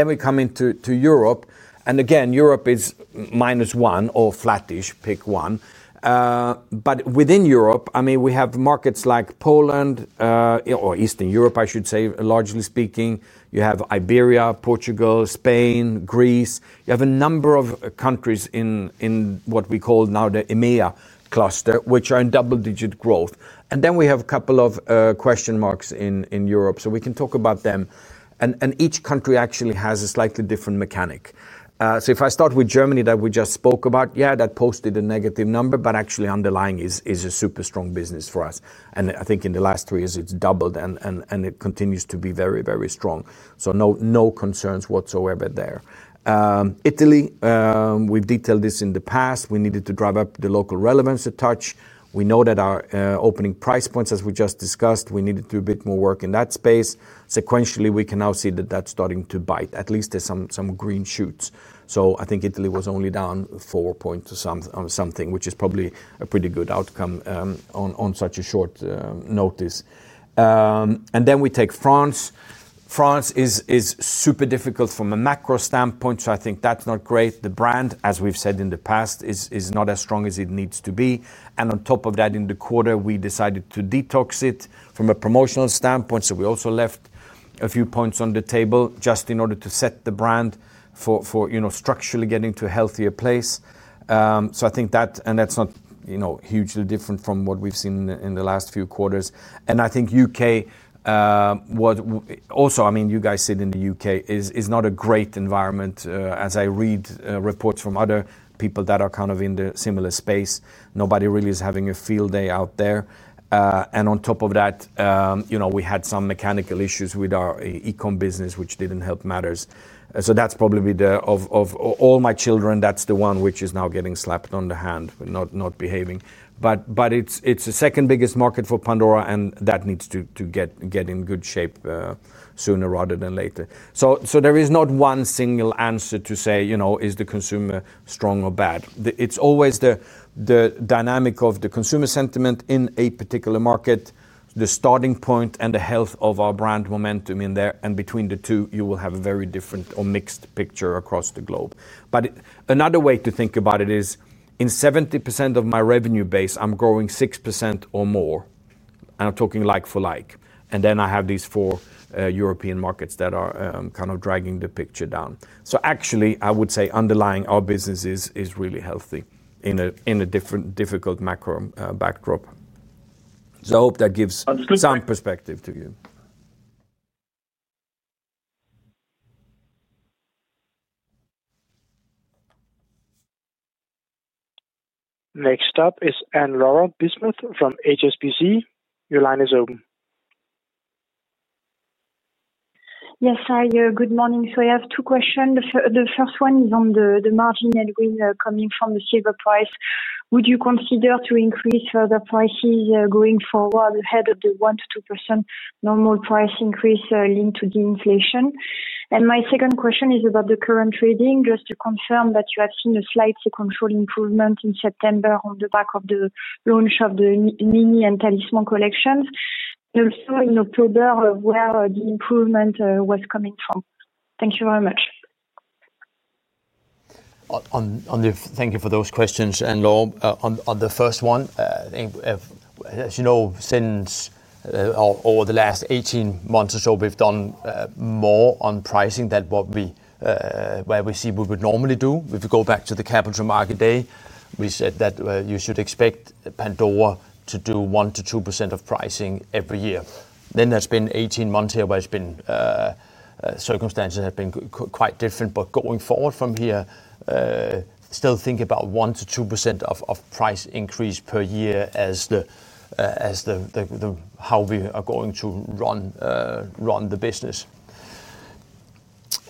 We come into Europe and again Europe is minus one or flattish, pick one. Within Europe, I mean we have markets like Poland or Eastern Europe, I should say largely speaking, you have Iberia, Portugal, Spain, Greece, you have a number of countries in what we call now the EMEA cluster which are in double digit growth. We have a couple of question marks in Europe, so we can talk about them. Each country actually has a slightly different mechanic. If I start with Germany that we just spoke about, yeah, that posted a negative number but actually underlying is a super strong business for us and I think in the last three years it has doubled and it continues to be very, very strong. No concerns whatsoever there. Italy, we've detailed this in the past. We know we needed to drive up the local relevance a touch. We know that our opening price points, as we just discussed, we needed to do a bit more work in that space sequentially. We can now see that that's starting to bite. At least there's some green shoots. I think Italy was only down 4% something, which is probably a pretty good outcome on such short notice. We take France. France is super difficult from a macro standpoint. I think that's not great. The brand, as we've said in the past, is not as strong as it needs to be. On top of that, in the quarter we decided to detox it from a promotional standpoint. We also left a few points on the table just in order to set the brand for, you know, structurally getting to a healthier place. I think that, and that's not, you know, hugely different from what we've seen in the last few quarters. I think U.K. also, I mean, you guys sit in the U.K., is not a great environment as I read reports from other people that are kind of in the similar space. Nobody really is having a field day out there. On top of that, you know, we had some mechanical issues with our e-com business which didn't help matters. That's probably the, of all my children, that's the one which is now getting slapped on the hand, not behaving. It's the second biggest market for Pandora and that needs to get in good shape sooner rather than later. There is not one single answer to say, is the consumer strong or bad? It's always the dynamic of the consumer sentiment in a particular market, the starting point, and the health of our brand momentum in there. Between the two, you will have a very different or mixed picture across the globe. Another way to think about it is in 70% of my revenue base, I'm growing 6% or more and I'm talking like-for-like. Then I have these four European markets that are kind of dragging the picture down. Actually, I would say underlying our business is really healthy in a different difficult macro backdrop. I hope that gives some perspective to you. Next up is Anne-Laure Bismuth from HSBC. Your line is open. Yes. Hi, good morning. So I have two questions. The first one is on the margin and green coming from the silver price. Would you consider to increase further prices going forward ahead of the 1-2% normal price increase linked to the inflation? And my second question is about the current trading. Just to confirm that you have seen a slight sequential improvement in September on the back of the launch of the Minis Capital Markets Day and Talisman collections, also in October, where the improvement was coming from. Thank you very much. Thank you for those questions. On the first one, as you know, since over the last 18 months or so we have done more on pricing than what we, where we see we could normally do. If you go back to the Capital Markets Day, we said that you should expect Pandora to do 1-2% of pricing every year. There has been 18 months here where circumstances have been quite different. Going forward from here, still think about 1-2% of price increase per year as the, as the how we are going to run the business.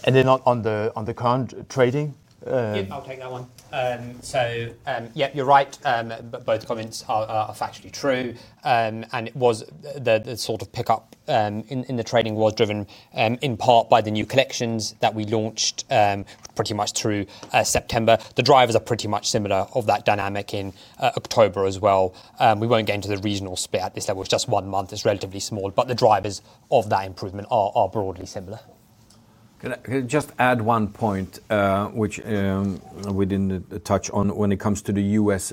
On the current trading, I will take that one. Yeah, you are right, both comments are factually true. It was the sort of pickup in the trading was driven in part by the new collections that we launched pretty much through September. The drivers are pretty much similar of that dynamic in October as well. We will not get into the regional split at this level. It is just one month is relatively small. The drivers of that improvement are broadly similar. Just add one point which we did not touch on. When it comes to the U.S.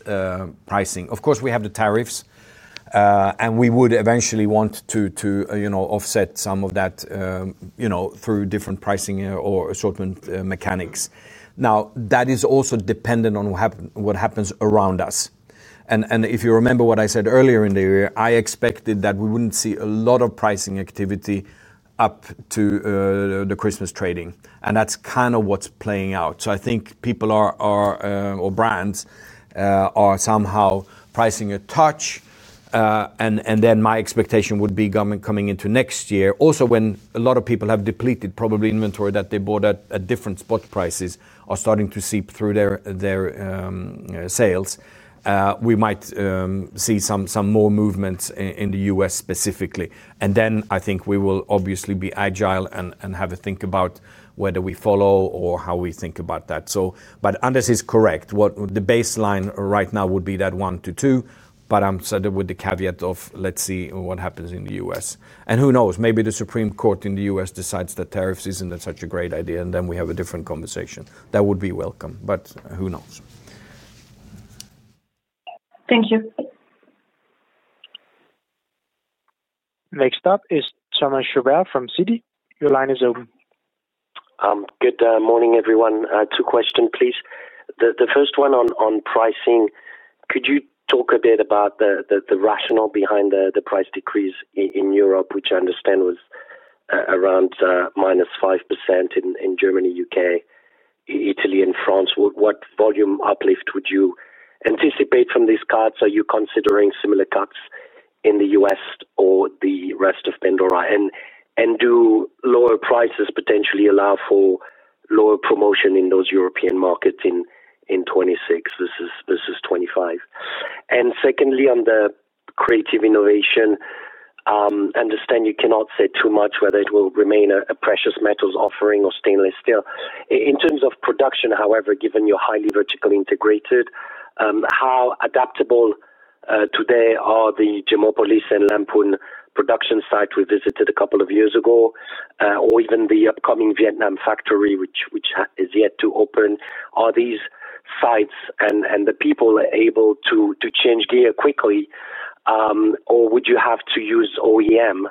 pricing, of course we have the tariffs and we would eventually want to, you know, offset some of that, you know, through different pricing or assortment mechanics. Now that is also dependent on what happens, what happens around us. If you remember what I said earlier in the year, I expected that we would not see a lot of pricing activity up to the Christmas trading and that is kind of what is playing out. I think people are, or brands are somehow pricing a touch and then my expectation would be coming into next year also when a lot of people have depleted probably inventory that they bought at different spot prices are starting to seep through their sales. We might see some more movements in the U.S. specifically and then I think we will obviously be agile and have a think about whether we follow or how we think about that. Anders is correct, what the baseline right now would be that one to two. I'm sort of with the caveat of let's see what happens in the U.S. and who knows, maybe the Supreme Court in the U.S. decides that tariffs isn't such a great idea and then we have a different conversation that would be welcome, but who knows. Thank you. Next up is Thomas Chauvet from Citigroup. Your line is open. Good morning everyone. Two questions please. The first one on pricing. Could you talk a bit about the rationale behind the price decrease in Europe, which I understand was around -5% in Germany, U.K., Italy and France. What volume uplift would you anticipate from these cuts? Are you considering similar cuts in the U.S. or the rest of Pandora? Do lower prices potentially allow for lower promotion in those European markets in 2026 versus 2025? Secondly, on the creative innovation, understand you cannot say too much whether it will remain a precious metals offering or stainless steel in terms of production. However, given you're highly vertically integrated, how adaptable today are the Jamapol and Lamphun production sites we visited a couple of years ago or even the upcoming Vietnam factory which is yet to open? Are these sites and the people able to change gear quickly or would you have to use OEM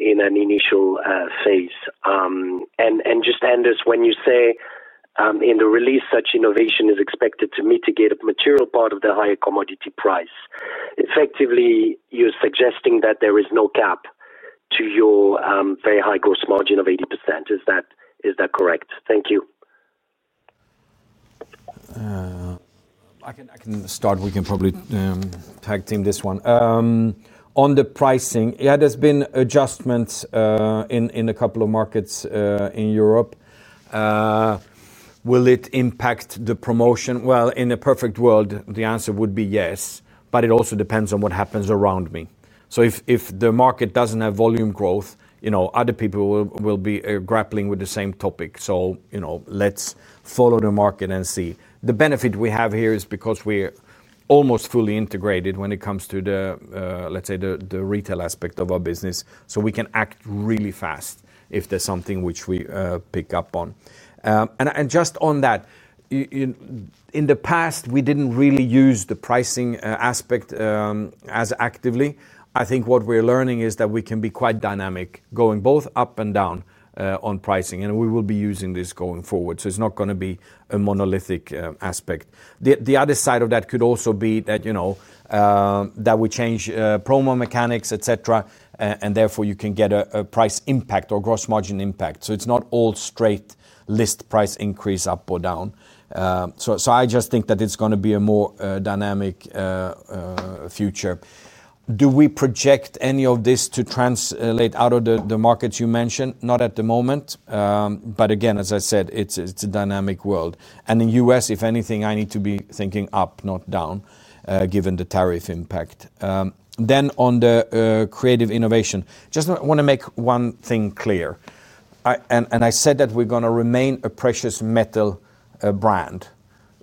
in an initial phase? And just, Anders, when you say in the release such innovation is expected to mitigate a material part of the higher commodity price, effectively, you're suggesting that there is no cap to your very high gross margin of 80%, is that correct? Thank you. I can start. We can probably tag team this one. On the pricing. Yeah, there's been adjustments in a couple of markets in Europe. Will it impact the promotion? In a perfect world the answer would be yes, but it also depends on what happens around me. If the market does not have volume growth, you know, other people will be grappling with the same topic. You know, let's follow the market and see. The benefit we have here is because we're almost fully integrated when it comes to the, let's say, the retail aspect of our business. We can act really fast if there's something which we pick up on. Just on that, in the past we did not really use the pricing aspect as actively. I think what we're learning is that we can be quite dynamic going both up and down on pricing and we will be using this going forward. It is not going to be a monolithic aspect. The other side of that could also be that, you know, that we change promo mechanics, etc. and therefore you can get a price impact or gross margin impact. It is not all straight list price increase up or down. I just think that it is going to be a more dynamic future. Do we project any of this to translate out of the markets you mentioned? Not at the moment. Again, as I said, it is a dynamic world and in the U.S., if anything I need to be thinking up, not down, given the tariff impact then on the creative innovation. Just want to make one thing clear and I said that we're going to remain a precious metal brand.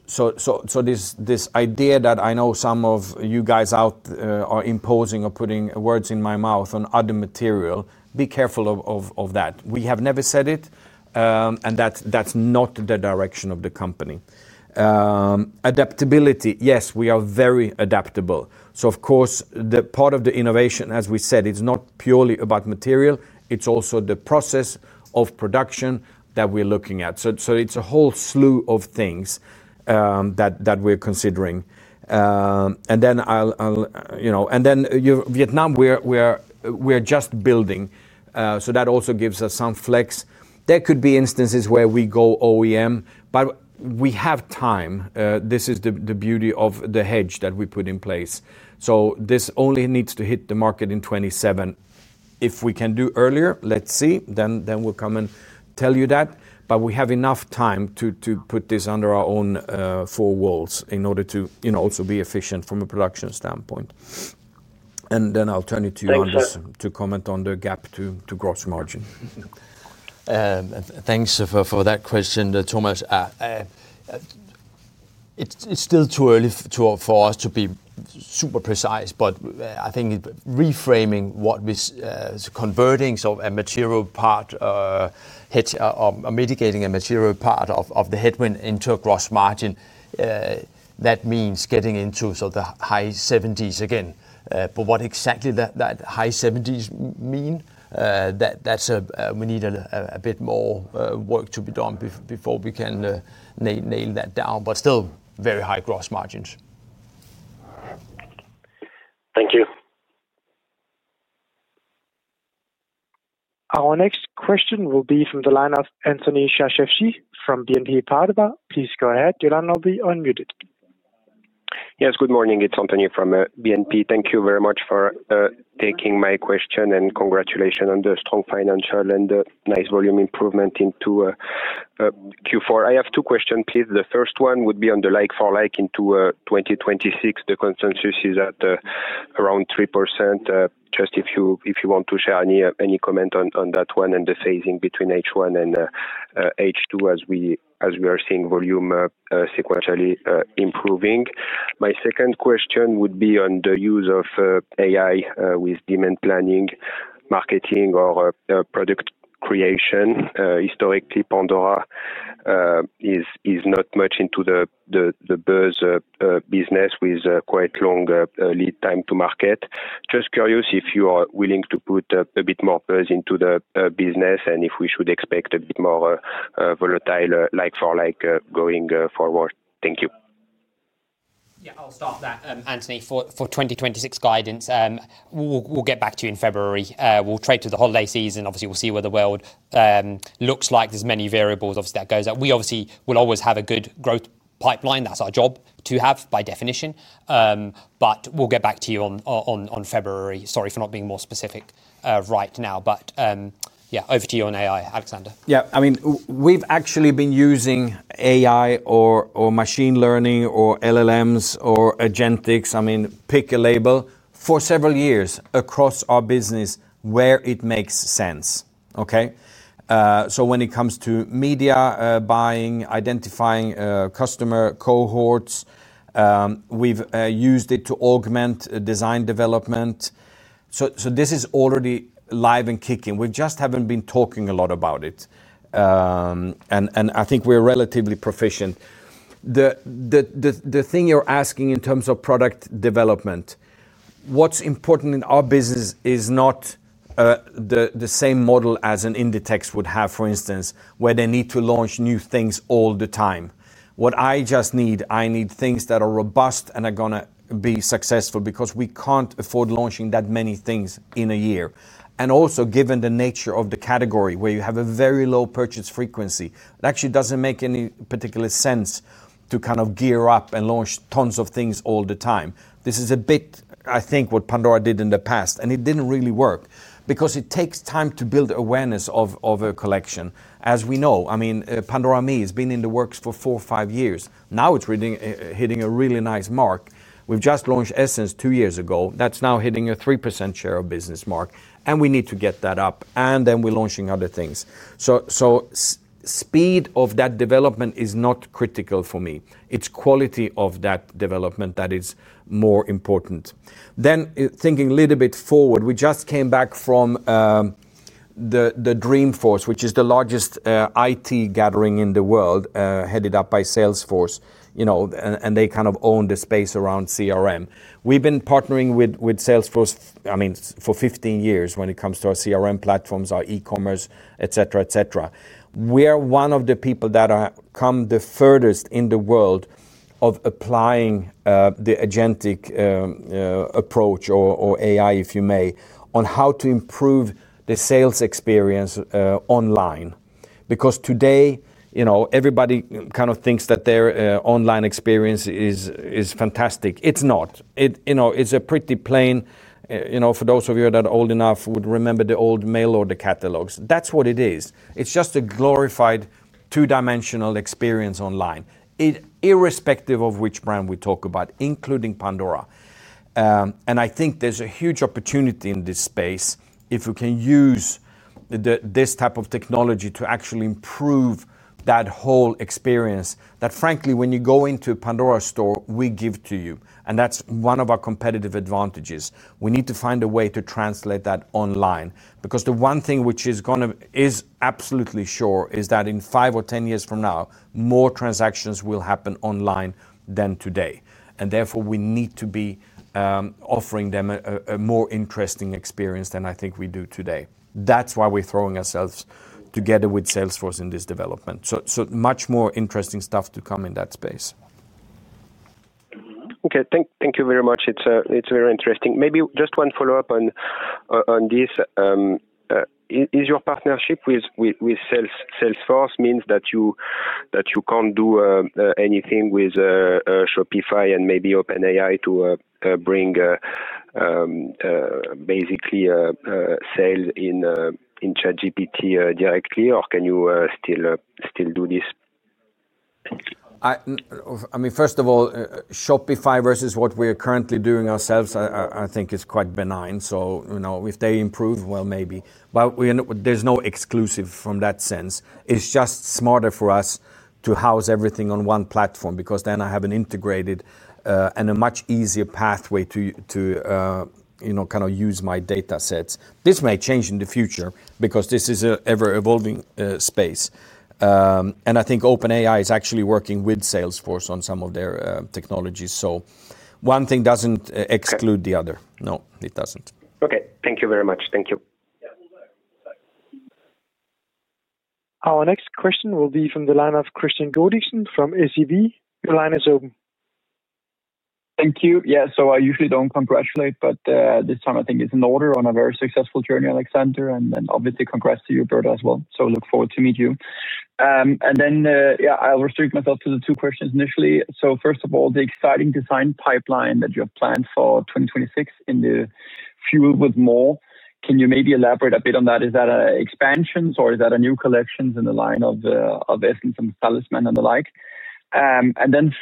This idea that I know some of you guys out there are imposing or putting words in my mouth on other material. Be careful of that. We have never said it and that's not the direction of the company. Adaptability. Yes, we are very adaptable. Of course, part of the innovation, as we said, it's not purely about material. It's also the process of production that we're looking at. It's a whole slew of things that we're considering. Vietnam, we're just building. That also gives us some flex. There could be instances where we go OEM, but we have time. This is the beauty of the hedge that we put in place. This only needs to hit the market in 2027. If we can do earlier, let's see then we'll come and tell you that. We have enough time to put this under our own four walls in order to also be efficient from a production standpoint. I'll turn it to you, Anders, to comment on the gap to gross margin. Thanks for that question, Thomas. It's still too early for us to be super precise, but I think reframing what we converting a material part, mitigating a material part of the headwind into a gross margin, that means getting into the high 70s again. What exactly that high 70s mean, we need a bit more work to be done before we can nail that down. Still very high gross margins. Thank you. Our next question will be from the line of Anthony Charchafji from BNP Paribas. Please go ahead, your line will be unmuted. Yes, good morning, it's Anthony from BNP. Thank you very much for taking my question and congratulations on the strong financial and nice volume improvement into Q4. I have two questions please. The first one would be on the like-for-like into 2026. The consensus is at around 3%. Just if you want to share any comment on that one, and the phasing between H1 and H2 as we are seeing volume sequentially improving. My second question would be on the use of AI with demand planning, marketing, or product creation. Historically Pandora is not much into the buzz business with quite long lead time to market. Just curious if you are willing to put a bit more buzz into the business and if we should expect a bit more volatile like-for-like going forward. Thank you. Yeah, I'll start that. Anthony, for 2026 guidance. We'll get back to you in February. We'll trade to the holiday season. Obviously we'll see where the world looks like. There's many variables if that goes up. We obviously will always have a good growth pipeline. That's our job to have by definition. We'll get back to you in February. Sorry for not being more specific right now, but yeah, over to you on AI, Alexander. Yeah, I mean we've actually been using AI or machine learning or LLMs or Agentic, I mean pick a label, for several years across our business where it makes sense. Okay. When it comes to media buying, identifying customer cohorts, we've used it to augment design development. This is already live and kicking. We just haven't been talking a lot about it and I think we're relatively proficient. The thing you're asking in terms of product development, what's important in our business is not the same model as an Inditex would have, for instance, where they need to launch new things all the time. What I just need, I need things that are robust and are going to be successful because we can't afford launching that many things in a year. Also, given the nature of the category where you have a very low purchase frequency, it actually does not make any particular sense to kind of gear up and launch tons of things all the time. This is a bit, I think, what Pandora did in the past and it did not really work because it takes time to build awareness of a collection as we know. I mean, Pandora ME has been in the works for four or five years now. It is hitting a really nice mark. We have just launched Essence two years ago. That is now hitting a 3% share of business mark and we need to get that up and then we are launching other things. Speed of that development is not critical. For me, it is quality of that development that is more important than thinking a little bit forward. We just came back from Dreamforce, which is the largest IT gathering in the world, headed up by Salesforce and they kind of own the space around CRM. We've been partnering with Salesforce, I mean for 15 years when it comes to our CRM platforms, our e-commerce, etc. etc. We are one of the people that come the furthest in the world of applying the agentic approach, or AI if you may, on how to improve the sales experience online. Because today, you know, everybody kind of thinks that their online experience is fantastic. It's not, you know, it's pretty plain, you know, for those of you that are old enough would remember the old mail order catalogs. That's what it is. It's just a glorified two-dimensional experience online irrespective of which brand we talk about, including Pandora. I think there's a huge opportunity in this space if you can use this type of technology to actually improve that whole experience that, frankly, when you go into a Pandora store, we give to you and that's one of our competitive advantages. We need to find a way to translate that online. The one thing which is absolutely sure is that in five or ten years from now, more transactions will happen online than today. Therefore, we need to be offering them a more interesting experience than I think we do today. That's why we're throwing ourselves together with Salesforce in this development. Much more interesting stuff to come in that space. Okay, thank you very much. It's very interesting. Maybe just one follow up on this. Is your partnership with Salesforce means that you can't do anything with Shopify and maybe OpenAI to bring basically sales in ChatGPT directly or can you still do this? I mean, first of all, Shopify versus what we are currently doing ourselves I think is quite benign. If they improve, well, maybe. There is no exclusive from that sense. It is just smarter for us to house everything on one platform because then I have an integrated and a much easier pathway to use my data sets. This may change in the future because this is an ever evolving space and I think OpenAI is actually working with Salesforce on some of their technologies. One thing does not exclude the other. No, it does not. Okay, thank you very much. Thank you. Our next question will be from the line of Kristian Godiksen from SEB. Your line is open. Thank you. Yeah, so I usually do not congratulate, but this time I think it is in order on a very successful journey, Alexander. And obviously congrats to you, Berta, as well. Look forward to meet you. Yeah, I will restrict myself to the two questions initially. First of all, the exciting design pipeline that you have planned for 2026 in the Fuel with More. Can you maybe elaborate a bit on that? Is that expansions or is that a new collection in the line of Essence and Talisman and the like?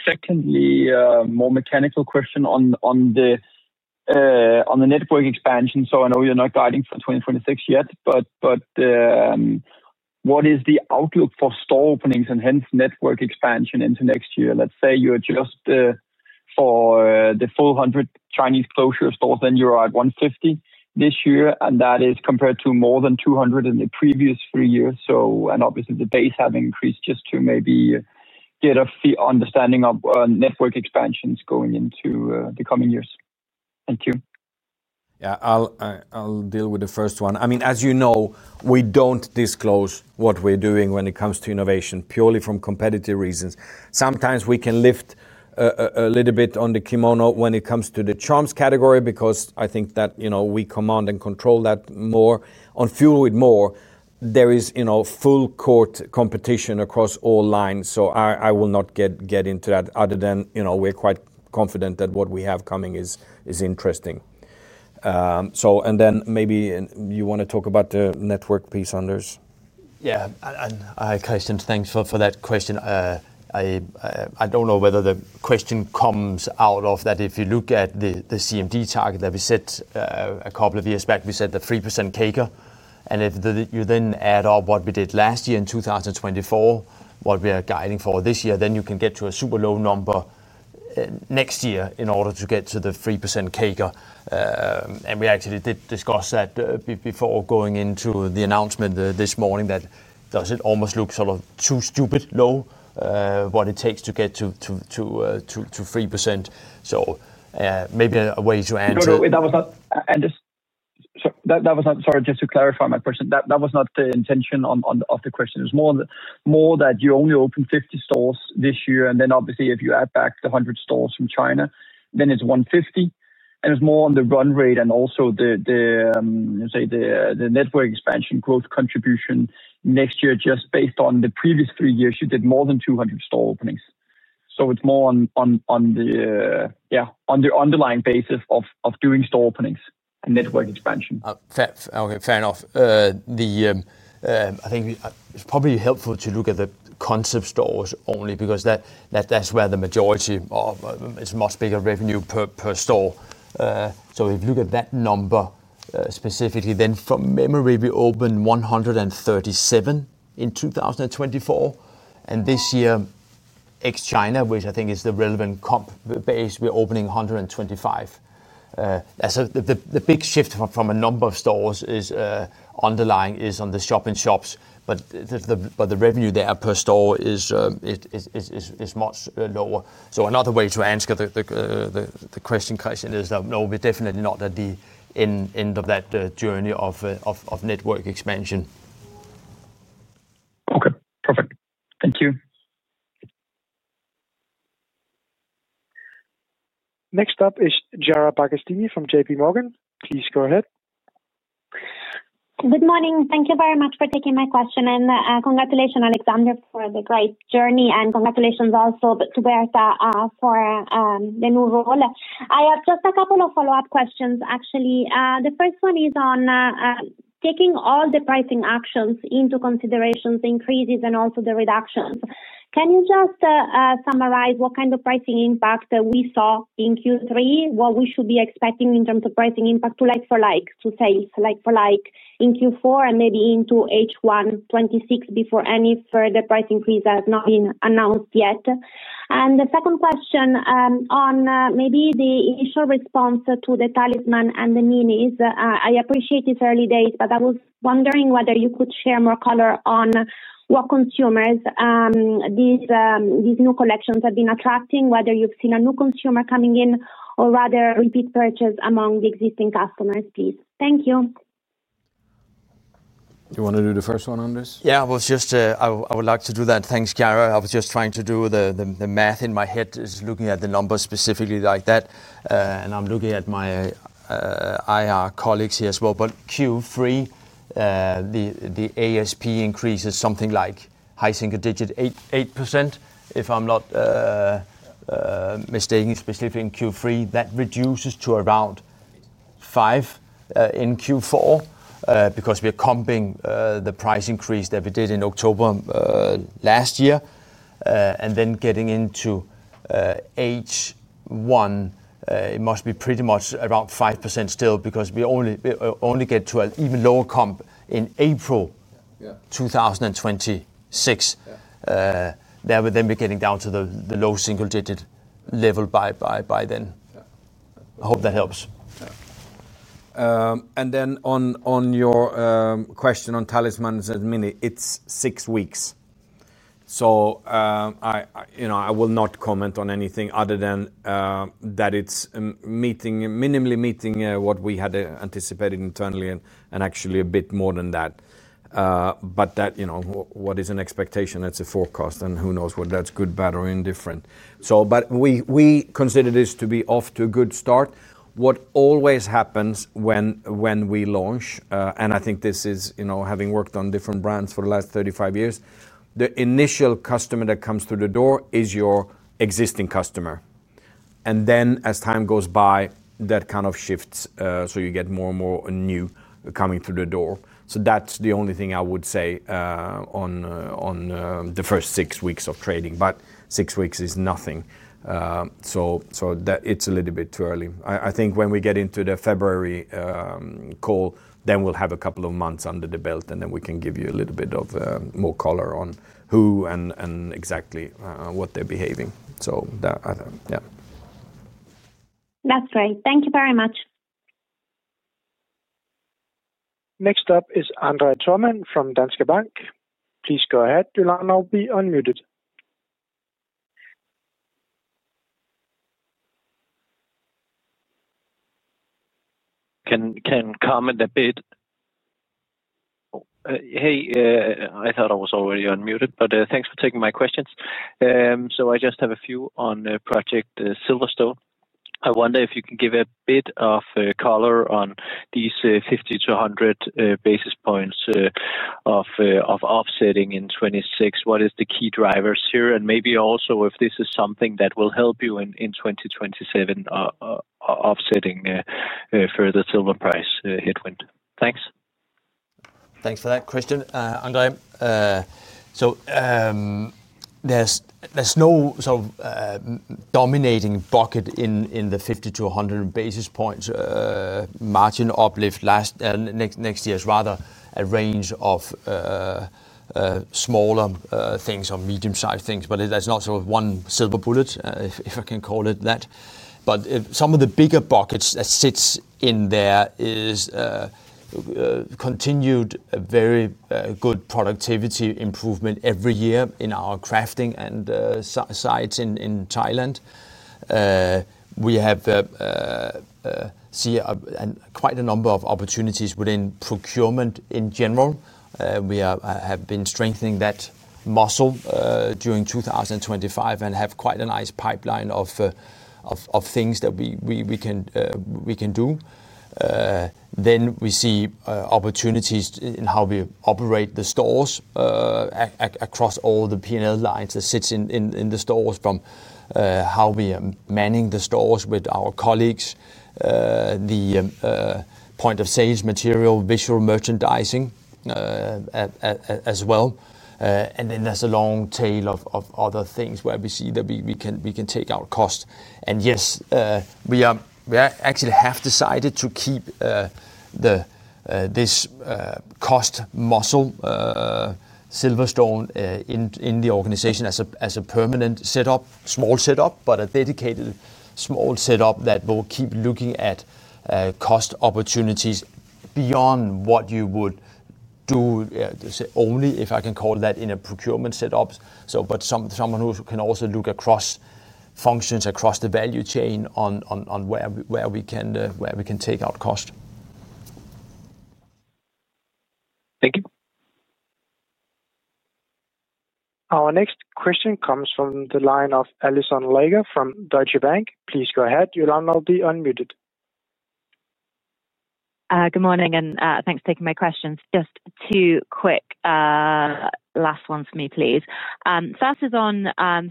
Secondly, more mechanical question on the network expansion. I know you're not guiding for 2026 yet, but what is the outlook for store openings and hence network expansion into next year? Let's say you adjust for the full 100 China closure stores, then you are at 150 this year and that is compared to more than 200 in the previous three years. Obviously the base has increased, just to maybe get an understanding of network expansions going into the coming years. Thank you. Yeah, I'll deal with the first one. I mean, as you know, we don't disclose what we're doing when it comes to innovation purely from competitive reasons. Sometimes we can lift a little bit on the kimono when it comes to the charms category because I think that, you know, we command and control that more on Fuel with More. There is, you know, full court competition across all lines. I will not get into that other than, you know, we're quite confident that what we have coming is interesting. Maybe you want to talk about the network piece, Anders. Yeah, Kristian, thanks for that question. I don't know whether the question comes out of that. If you look at the CMD target that we set a couple of years back, we said the 3% CAGR and if you then add up what we did last year in 2024, what we are guiding for this year, then you can get to a super low number next year in order to get to the 3% CAGR. And we actually did discuss that before going into the announcement this morning that does it almost look sort of too stupid low what it takes to get to 3%. So maybe a way to end that was. That was. Sorry, just to clarify my question, that was not the intention of the question. It is more that you only open 50 stores this year and then obviously if you add back the 100 stores from China then it is 150 and it is more on the run rate and also the network expansion growth contribution next year. Just based on the previous three years you did more than 200 store openings. It is more on the underlying basis of doing store openings and network expansion. Fair enough. I think it's probably helpful to look at the concept store open stores only because that's where the majority is. Much bigger revenue per store. If you look at that number specifically then from memory we opened 137 in 2024 and this year ex China, which I think is the relevant comp base, we're opening 125. The big shift from a number of stores is underlying is on the shop in shops but the revenue there per store is much lower. Another way to answer the question, Kristian, is no, we're definitely not at the end of that journey of network expansion. Okay, perfect. Thank you. Next up is Zara Pribicevic from JPMorgan. Please go ahead. Good morning. Thank you very much for taking my question and congratulations Alexander for the great journey and congratulations also to Berta for the new role. I have just a couple of follow up questions actually. The first one is on taking all the pricing actions into consideration, increases and also the reductions. Can you just summarize what kind of pricing impact we saw in Q3, what we should be expecting in terms of pricing impact to like-for-like sales like in Q4 and maybe into H1 2026 before any further price increase has not been announced yet. The second question on maybe the initial response to the Talisman and the Minis. I appreciate this early days, but I was wondering whether you could share more color on what consumers these new collections have been attracting. Whether you've seen a new consumer coming in or rather repeat purchase among the existing customers. Please. Thank you. You want to do the first one on this? Yeah, I would like to do that. Thanks, Zara. I was just trying to do the math in my head looking at the numbers specifically like that and I'm looking at my IR colleagues here as well. Q3, the ASP increases something like high single digit, 8% if I'm not mistaken. Specifically in Q3 that reduces to about 5% in Q4 because we are comping the price increase that we did in October last year and then getting into H1, it must be pretty much about 5% still because we only get to an even lower comp in April 2026. That would then be getting down to the low single digit level by then. Hope that helps. On your question on Talisman, it is six weeks, so I will not comment on anything other than that it is minimally meeting what we had anticipated internally and actually a bit more than that, but that, you know, what is an expectation, that is a forecast and who knows whether that is good, bad or indifferent. We consider this to be off to a good start. What always happens when we launch, and I think this is, you know, having worked on different brands for the last 35 years, the initial customer that comes through the door is your existing customer and then as time goes by that kind of shifts so you get more and more new coming through the door. That is the only thing I would say on the first six weeks of trading. Six weeks is nothing. It's a little bit too early. I think when we get into the February call, then we'll have a couple of months under the belt and then we can give you a little bit more color on who and exactly what they are behaving. Yeah, that's great. Thank you very much. Next up is André Thormann from Danske Bank. Please go ahead. Your line will be unmuted. Can comment a bit. Hey, I thought I was already unmuted, but thanks for taking my questions. I just have a few on Project Silverstone. I wonder if you can give a bit of color on these 50-100 basis points of offsetting in 2026. What are the key drivers here and maybe also if this is something that will help you in 2027, offsetting further silver price headwind. Thanks. Thanks for that question, André. So is no sort of dominating bucket in the 50-100 basis points margin uplift. Last year is rather a range of smaller things or medium sized things. That is not sort of one silver bullet, if I can call it that. Some of the bigger buckets that sit in there is continued very good productivity improvement every year in our crafting sites in Thailand. We have seen quite a number of opportunities within procurement in general. We have been strengthening that muscle during 2025 and have quite a nice pipeline of things that we can do then. We see opportunities in how we operate the stores across all the P&L lines that sit in the stores from how we are manning the stores with our colleagues, the point of sales material, visual merchandising as well. There is a long tail of other things where we see that we can take our cost. Yes, we actually have decided to keep this cost muscle, Silverstone, in the organization as a permanent setup, small setup, but a dedicated small setup that will keep looking at cost opportunities beyond what you would do only, if I can call that, in a procurement setup, but someone who can also look across functions across the value chain on where we can take out cost. Thank you. Our next question comes from the line of Alison Lygo from Deutsche Bank. Please go ahead, your line will be unmuted. Good morning and thanks for taking my questions. Just two quick last ones for me, please. First is on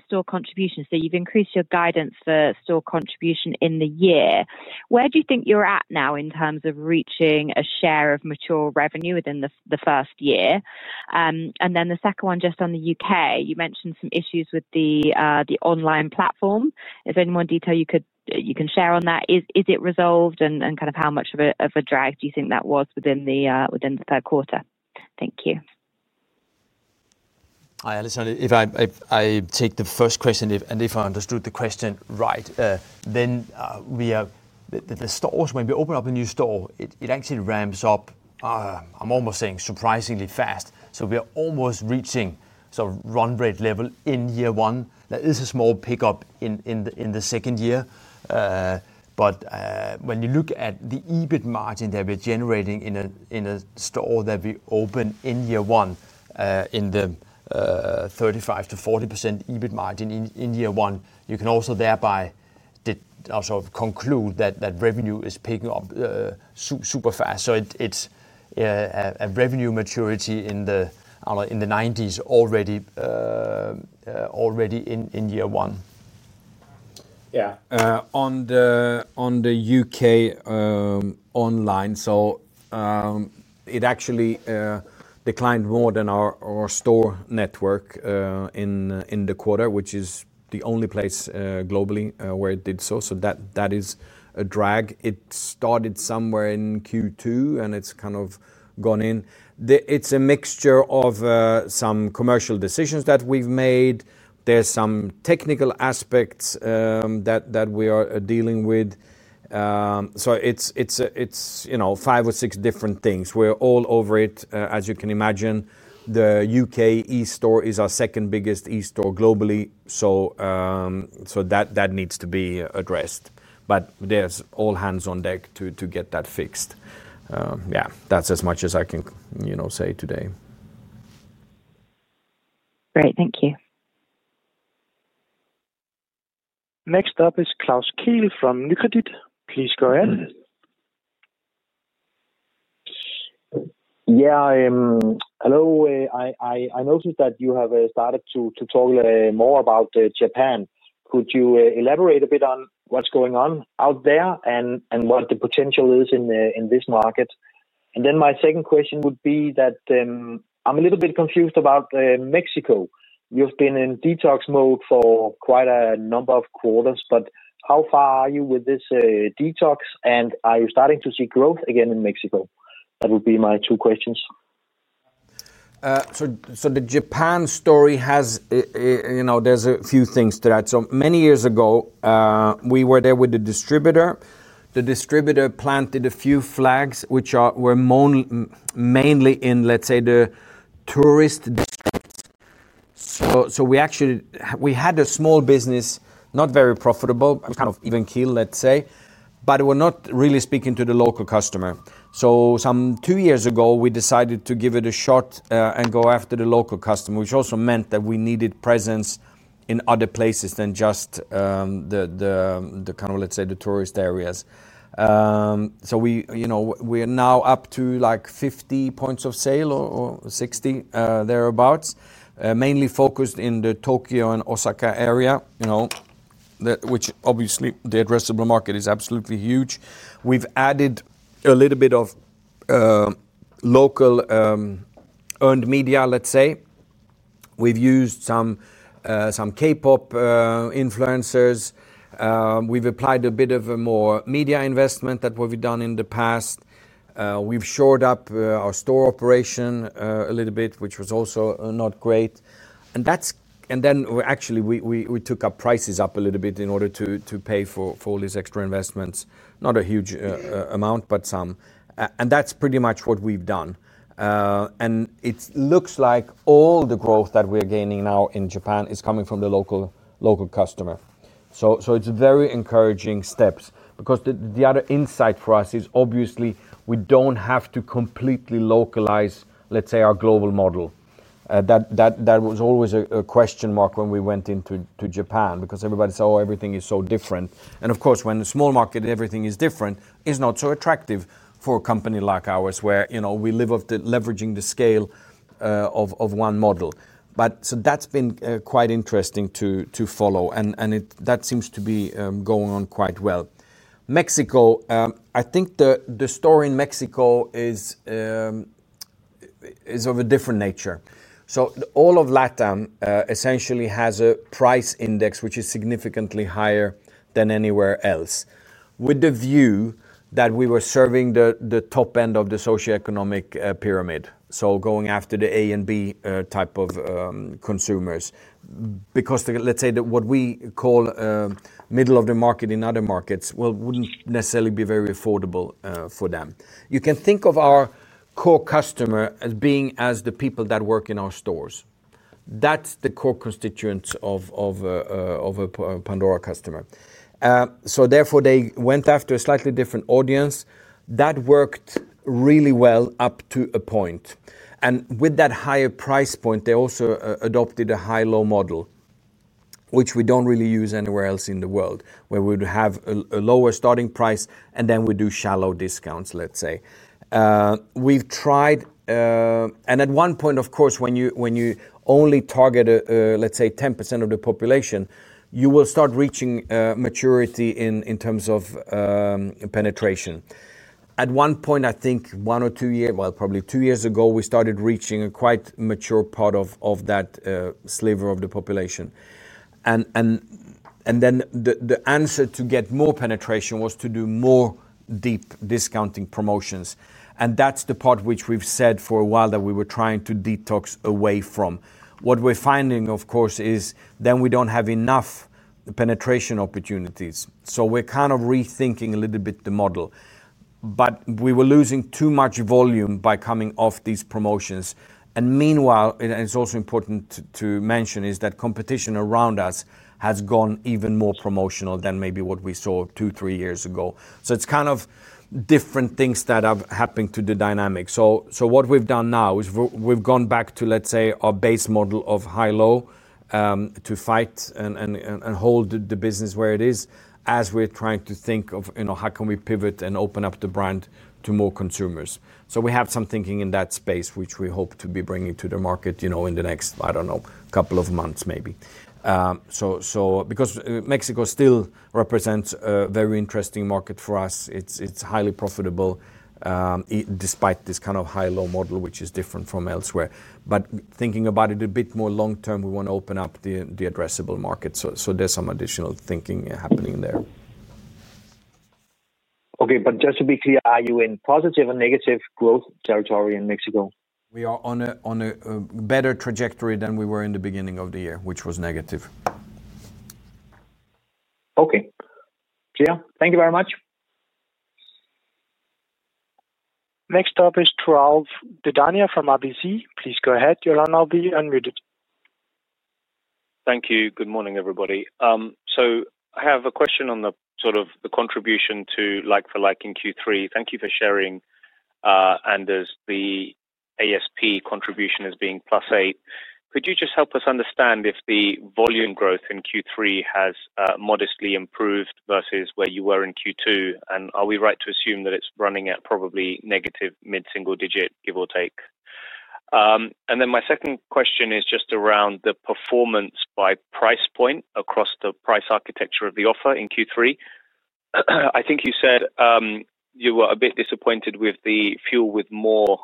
store contribution. So you've increased your guidance for store contribution in the year. Where do you think you're at now in terms of reaching a share of mature revenue within the first year? And then the second one just on the U.K. you mentioned some issues with the online platform. Is there any more detail you can share on that? Is it resolved and kind of how much of a drag do you think that was within the third quarter? Thank you. Alison. If I take the first question and if I understood the question right then the stores, when we open up a new store, it actually ramps up, I'm almost saying surprisingly fast. We are almost reaching run rate level in year one, there is a small pickup in the second year. When you look at the EBIT margin that we're generating in a store that we open in year one, in the 35-40% EBIT margin in year one, you can also thereby conclude that revenue is picking up super fast. It is a revenue maturity in the 90% already in year one. Yeah, on the, on the U.K. online. It actually declined more than our store network in the quarter, which is the only place globally where it did so. That is a drag. It started somewhere in Q2 and it has kind of gone in. It is a mixture of some commercial decisions that we have made. There are some technical aspects that we are dealing with. It is, you know, five or six different things. We are all over it. As you can imagine, the U.K. E store is our second biggest E store globally, so that needs to be addressed. There is all hands on deck to get that fixed. That is as much as I can, you know, say today. Great, thank you. Next up is Klaus Kehl from Nordea. Please go ahead. Yeah, hello. I noticed that you have started to talk more about Japan. Could you elaborate a bit on what's going on out there and what the potential is in this market? My second question would be that I'm a little bit confused about Mexico. You've been in detox mode for quite a number of quarters, but how far are you with this detox and are you starting to see growth again in Mexico? That would be my two questions. The Japan story has, you know, there's a few things to add. Many years ago we were there with the distributor. The distributor planted a few flags which are, were mainly in, let's say, the tourist districts. We actually, we had a small business, not very profitable, kind of even keel, let's say. We were not really speaking to the local customer. Some two years ago we decided to give it a shot and go after the local customer. Which also meant that we needed presence in other places than just the kind of, let's say, the tourist areas. We are now up to like 50 points of sale or 60 thereabouts, mainly focused in the Tokyo and Osaka area, you know, which obviously the addressable market is absolutely huge. We've added a little bit of local earned media. Let's say we've used some K-pop influencers. We've applied a bit of a more media investment that we've done in the past. We've shored up our store operation a little bit, which was also not great. That's it. Then actually we took our prices up a little bit in order to pay for all these extra investments. Investments, not a huge amount, but some. That's pretty much what we've done. It looks like all the growth that we are gaining now in Japan is coming from the local customer. It's very encouraging steps because the other insight for us is obviously we don't have to completely localize, let's say, our global model. That was always a question mark when we went into Japan because everybody said, oh, everything is so different. Of course, when the small market, everything is different. It's not so attractive for a company like ours where we live off leveraging the scale of one model. That's been quite interesting to follow and that seems to be going on quite well. Mexico, I think the story in Mexico is of a different nature. All of LATAM essentially has a price index which is significantly higher than anywhere else with the view that we were serving the top end of the socioeconomic pyramid. Going after the A and B type of consumers because let's say that what we call middle of the market in other markets wouldn't necessarily be very affordable for them. You can think of our core customer as being the people that work in our stores. That's the core constituents of a Pandora customer. Therefore they went after a slightly different audience that worked really well up to a point. With that higher price point they also adopted a high low model, which we do not really use anywhere else in the world, where we would have a lower starting price. Then we do shallow discounts, let's say we have tried, and at one point, of course, when you only target, let's say, 10% of the population, you will start reaching maturity in terms of penetration. At one point, I think one or two years, probably two years ago, we started reaching a quite mature part of that sliver of the population, and then the answer to get more penetration was to do more deep discounting promotions. That is the part which we have said for a while that we were trying to detox away from. What we're finding of course is then we don't have enough penetration opportunities. So we're kind of rethinking a little bit the model but we were losing too much volume by coming off these promotions. Meanwhile, it's also important to mention is that competition around us has gone even more promotional than maybe what we saw two, three years ago. It's kind of different things that have happened to the dynamic. What we've done now is we've gone back to, let's say, our base model of high low to fight and hold the business where it is. As we're trying to think of how can we pivot and open up the brand to more consumers. We have some thinking in that space which we hope to be bringing to the market in the next, I don't know, couple of months maybe, because Mexico still represents a very interesting market for us. It's highly profitable despite this kind of high low model, which is different from elsewhere. Thinking about it a bit more long term, we want to open up the address market. There is some additional thinking happening there. Okay, but just to be clear, are you in positive or negative growth territory in Mexico? We are on a better trajectory than we were in the beginning of the year, which was negative. Okay, Gia, thank you very much. Next up is Piral Dadhania from HSBC. Please go ahead. Your line will be unmuted. Thank you. Good morning everybody. I have a question on the sort of the contribution to like-for-like in Q3. Thank you for sharing. Anders, the ASP contribution is being +8. Could you just help us understand if the volume growth in Q3 has modestly improved versus where you were in Q2? Are we right to assume that it's running at probably negative mid single digit, give or take? My second question is just around the performance by price point across the price architecture of the offer in Q3. I think you said you were a bit disappointed with the Fuel with More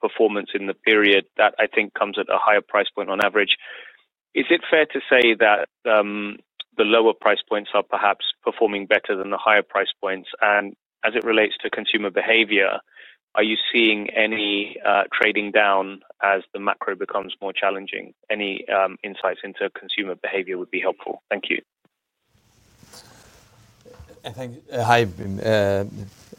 performance in the period that I think comes at a higher price point on average. Is it fair to say that the lower price points are perhaps performing better than the higher price points? As it relates to consumer behavior, are you seeing any trading down as the macro becomes more challenging? Any insights into consumer behavior would be helpful. Thank you. Hi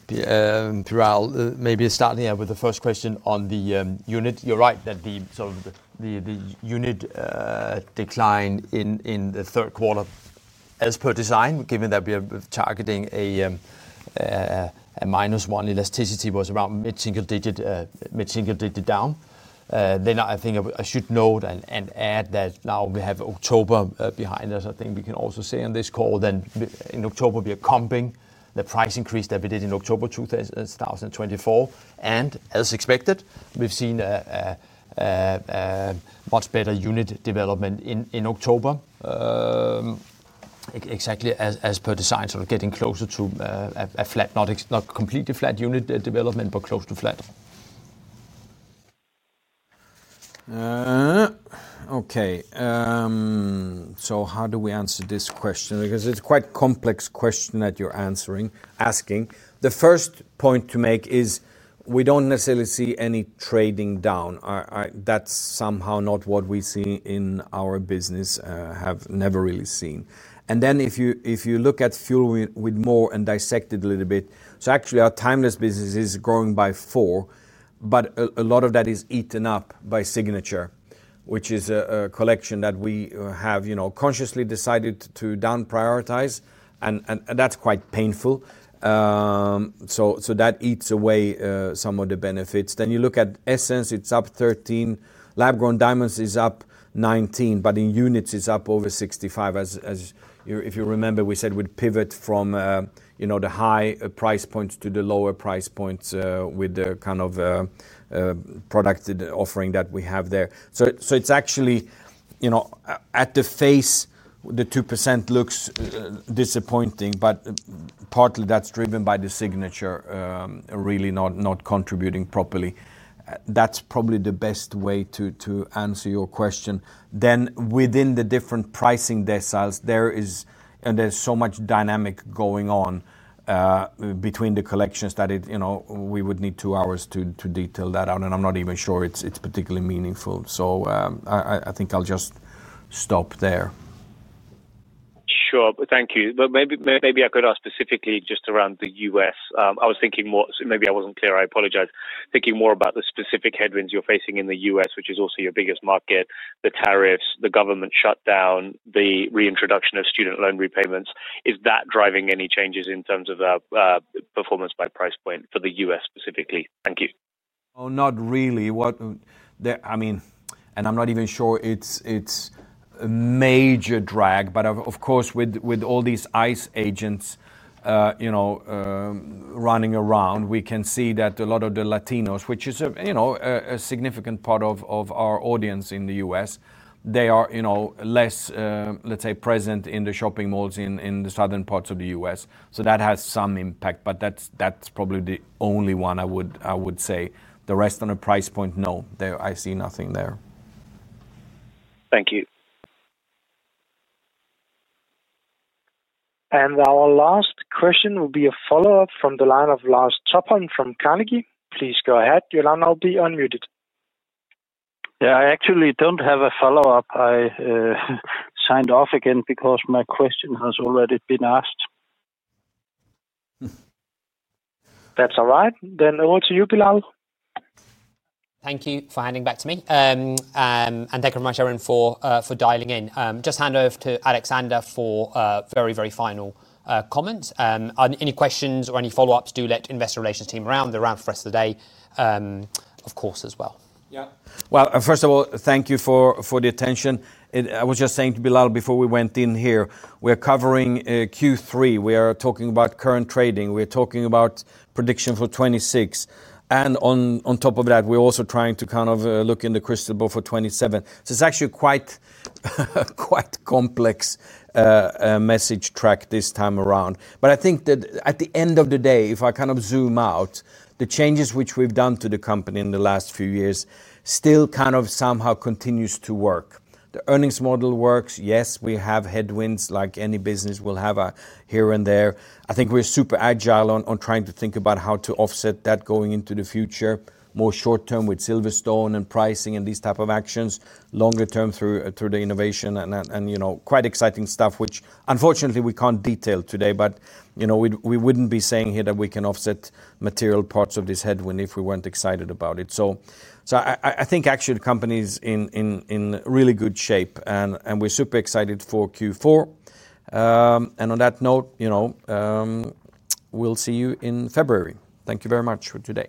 Piral, maybe starting out with the first question on the unit. You're right that the sort of the unit decline in the third quarter as per design, given that we are targeting a minus one elasticity, was around mid single digit, mid single digit down. I think I should note and add that now we have October behind us. I think we can also say on. This call then in October we are comping the price increase that we did in October 2024. As expected, we've seen much better unit development in October. Exactly as per design, sort of getting closer to a flat, not completely flat unit development, but close to flat. Okay, so how do we answer this question? Because it's quite a complex question that you're asking. The first point to make is we don't necessarily see any trading down. That's somehow not what we see in our business, have never really seen. If you look at Fuel with More and dissect it a little bit, actually our Timeless business is growing by 4. A lot of that is eaten up by Signature, which is a collection that we have consciously decided to down prioritize, and that's quite painful. That eats away some of the benefits. If you look at Essence, it's up 13, lab-grown diamonds is up 19, but in units it's up over 65. As you remember, we said we'd pivot from the high price points to the lower price points with the kind of product offering that we have there. It is actually at the face the 2% looks disappointing, but partly that is driven by the Signature really not contributing properly. That is probably the best way to answer your question then within the different pricing deciles there is and there is so much dynamic going on between the collections that we would need two hours to detail that out. I am not even sure it is particularly meaningful. I think I will just stop there. Sure. Thank you. Maybe I could ask specifically just around the US. I was thinking more, maybe I was not clear. I apologize. Thinking more about the specific headwinds you are facing in the US, which is also your biggest market. The tariffs, the government shutdown, the reintroduction of student loan repayments, is that driving any changes in terms of performance by price point for the US specifically? Thank you. Not really. I mean, and I'm not even sure it's a major drag. Of course, with all these ICE agents, you know, running around, we can see that a lot of the Latinos, which is, you know, a significant part of our audience in the U.S., they are, you know, less, let's say, present in the shopping malls in the southern parts of the U.S. That has some impact, but that's probably the only one. I would say the rest on a price point, no, I see nothing there. Thank you. Our last question will be a follow up from the line of Lars Topholm from Carnegie. Please go ahead, your line will be unmuted. Yeah, I actually don't have a follow up. I signed off again because my question has already been asked. That's all right then. Over to you, Bilal. Thank you for handing back to me and thank you very much everyone for dialing in. Just hand over to Alexander for very, very final comments. Any questions or any follow-ups, do let the investor relations team know. They're around for the rest of the day, of course, as well. Yeah. First of all, thank you for the attention. I was just saying to Bilal before we went in here, we are covering Q3. We are talking about current trading, we are talking about prediction for 2026. On top of that we're also trying to kind of look in the crystal ball for 2027. It is actually quite, quite complex message track this time around. I think that at the end of the day, if I kind of zoom out, the changes which we've done to the company in the last few years still kind of somehow continues to work. The earnings model works. Yes, we have headwinds like any business will have here and there. I think we're super agile on trying to think about how to offset that going into the future. More short term with Silverstone and pricing and these type of actions, longer term through the innovation and, you know, quite exciting stuff which unfortunately we can't detail today. But, you know, we wouldn't be saying here that we can offset material parts of this headwind if we weren't excited about it. I think actually the company is in really good shape and we're super excited for Q4. And on that note, we'll see you in February. Thank you very much for today.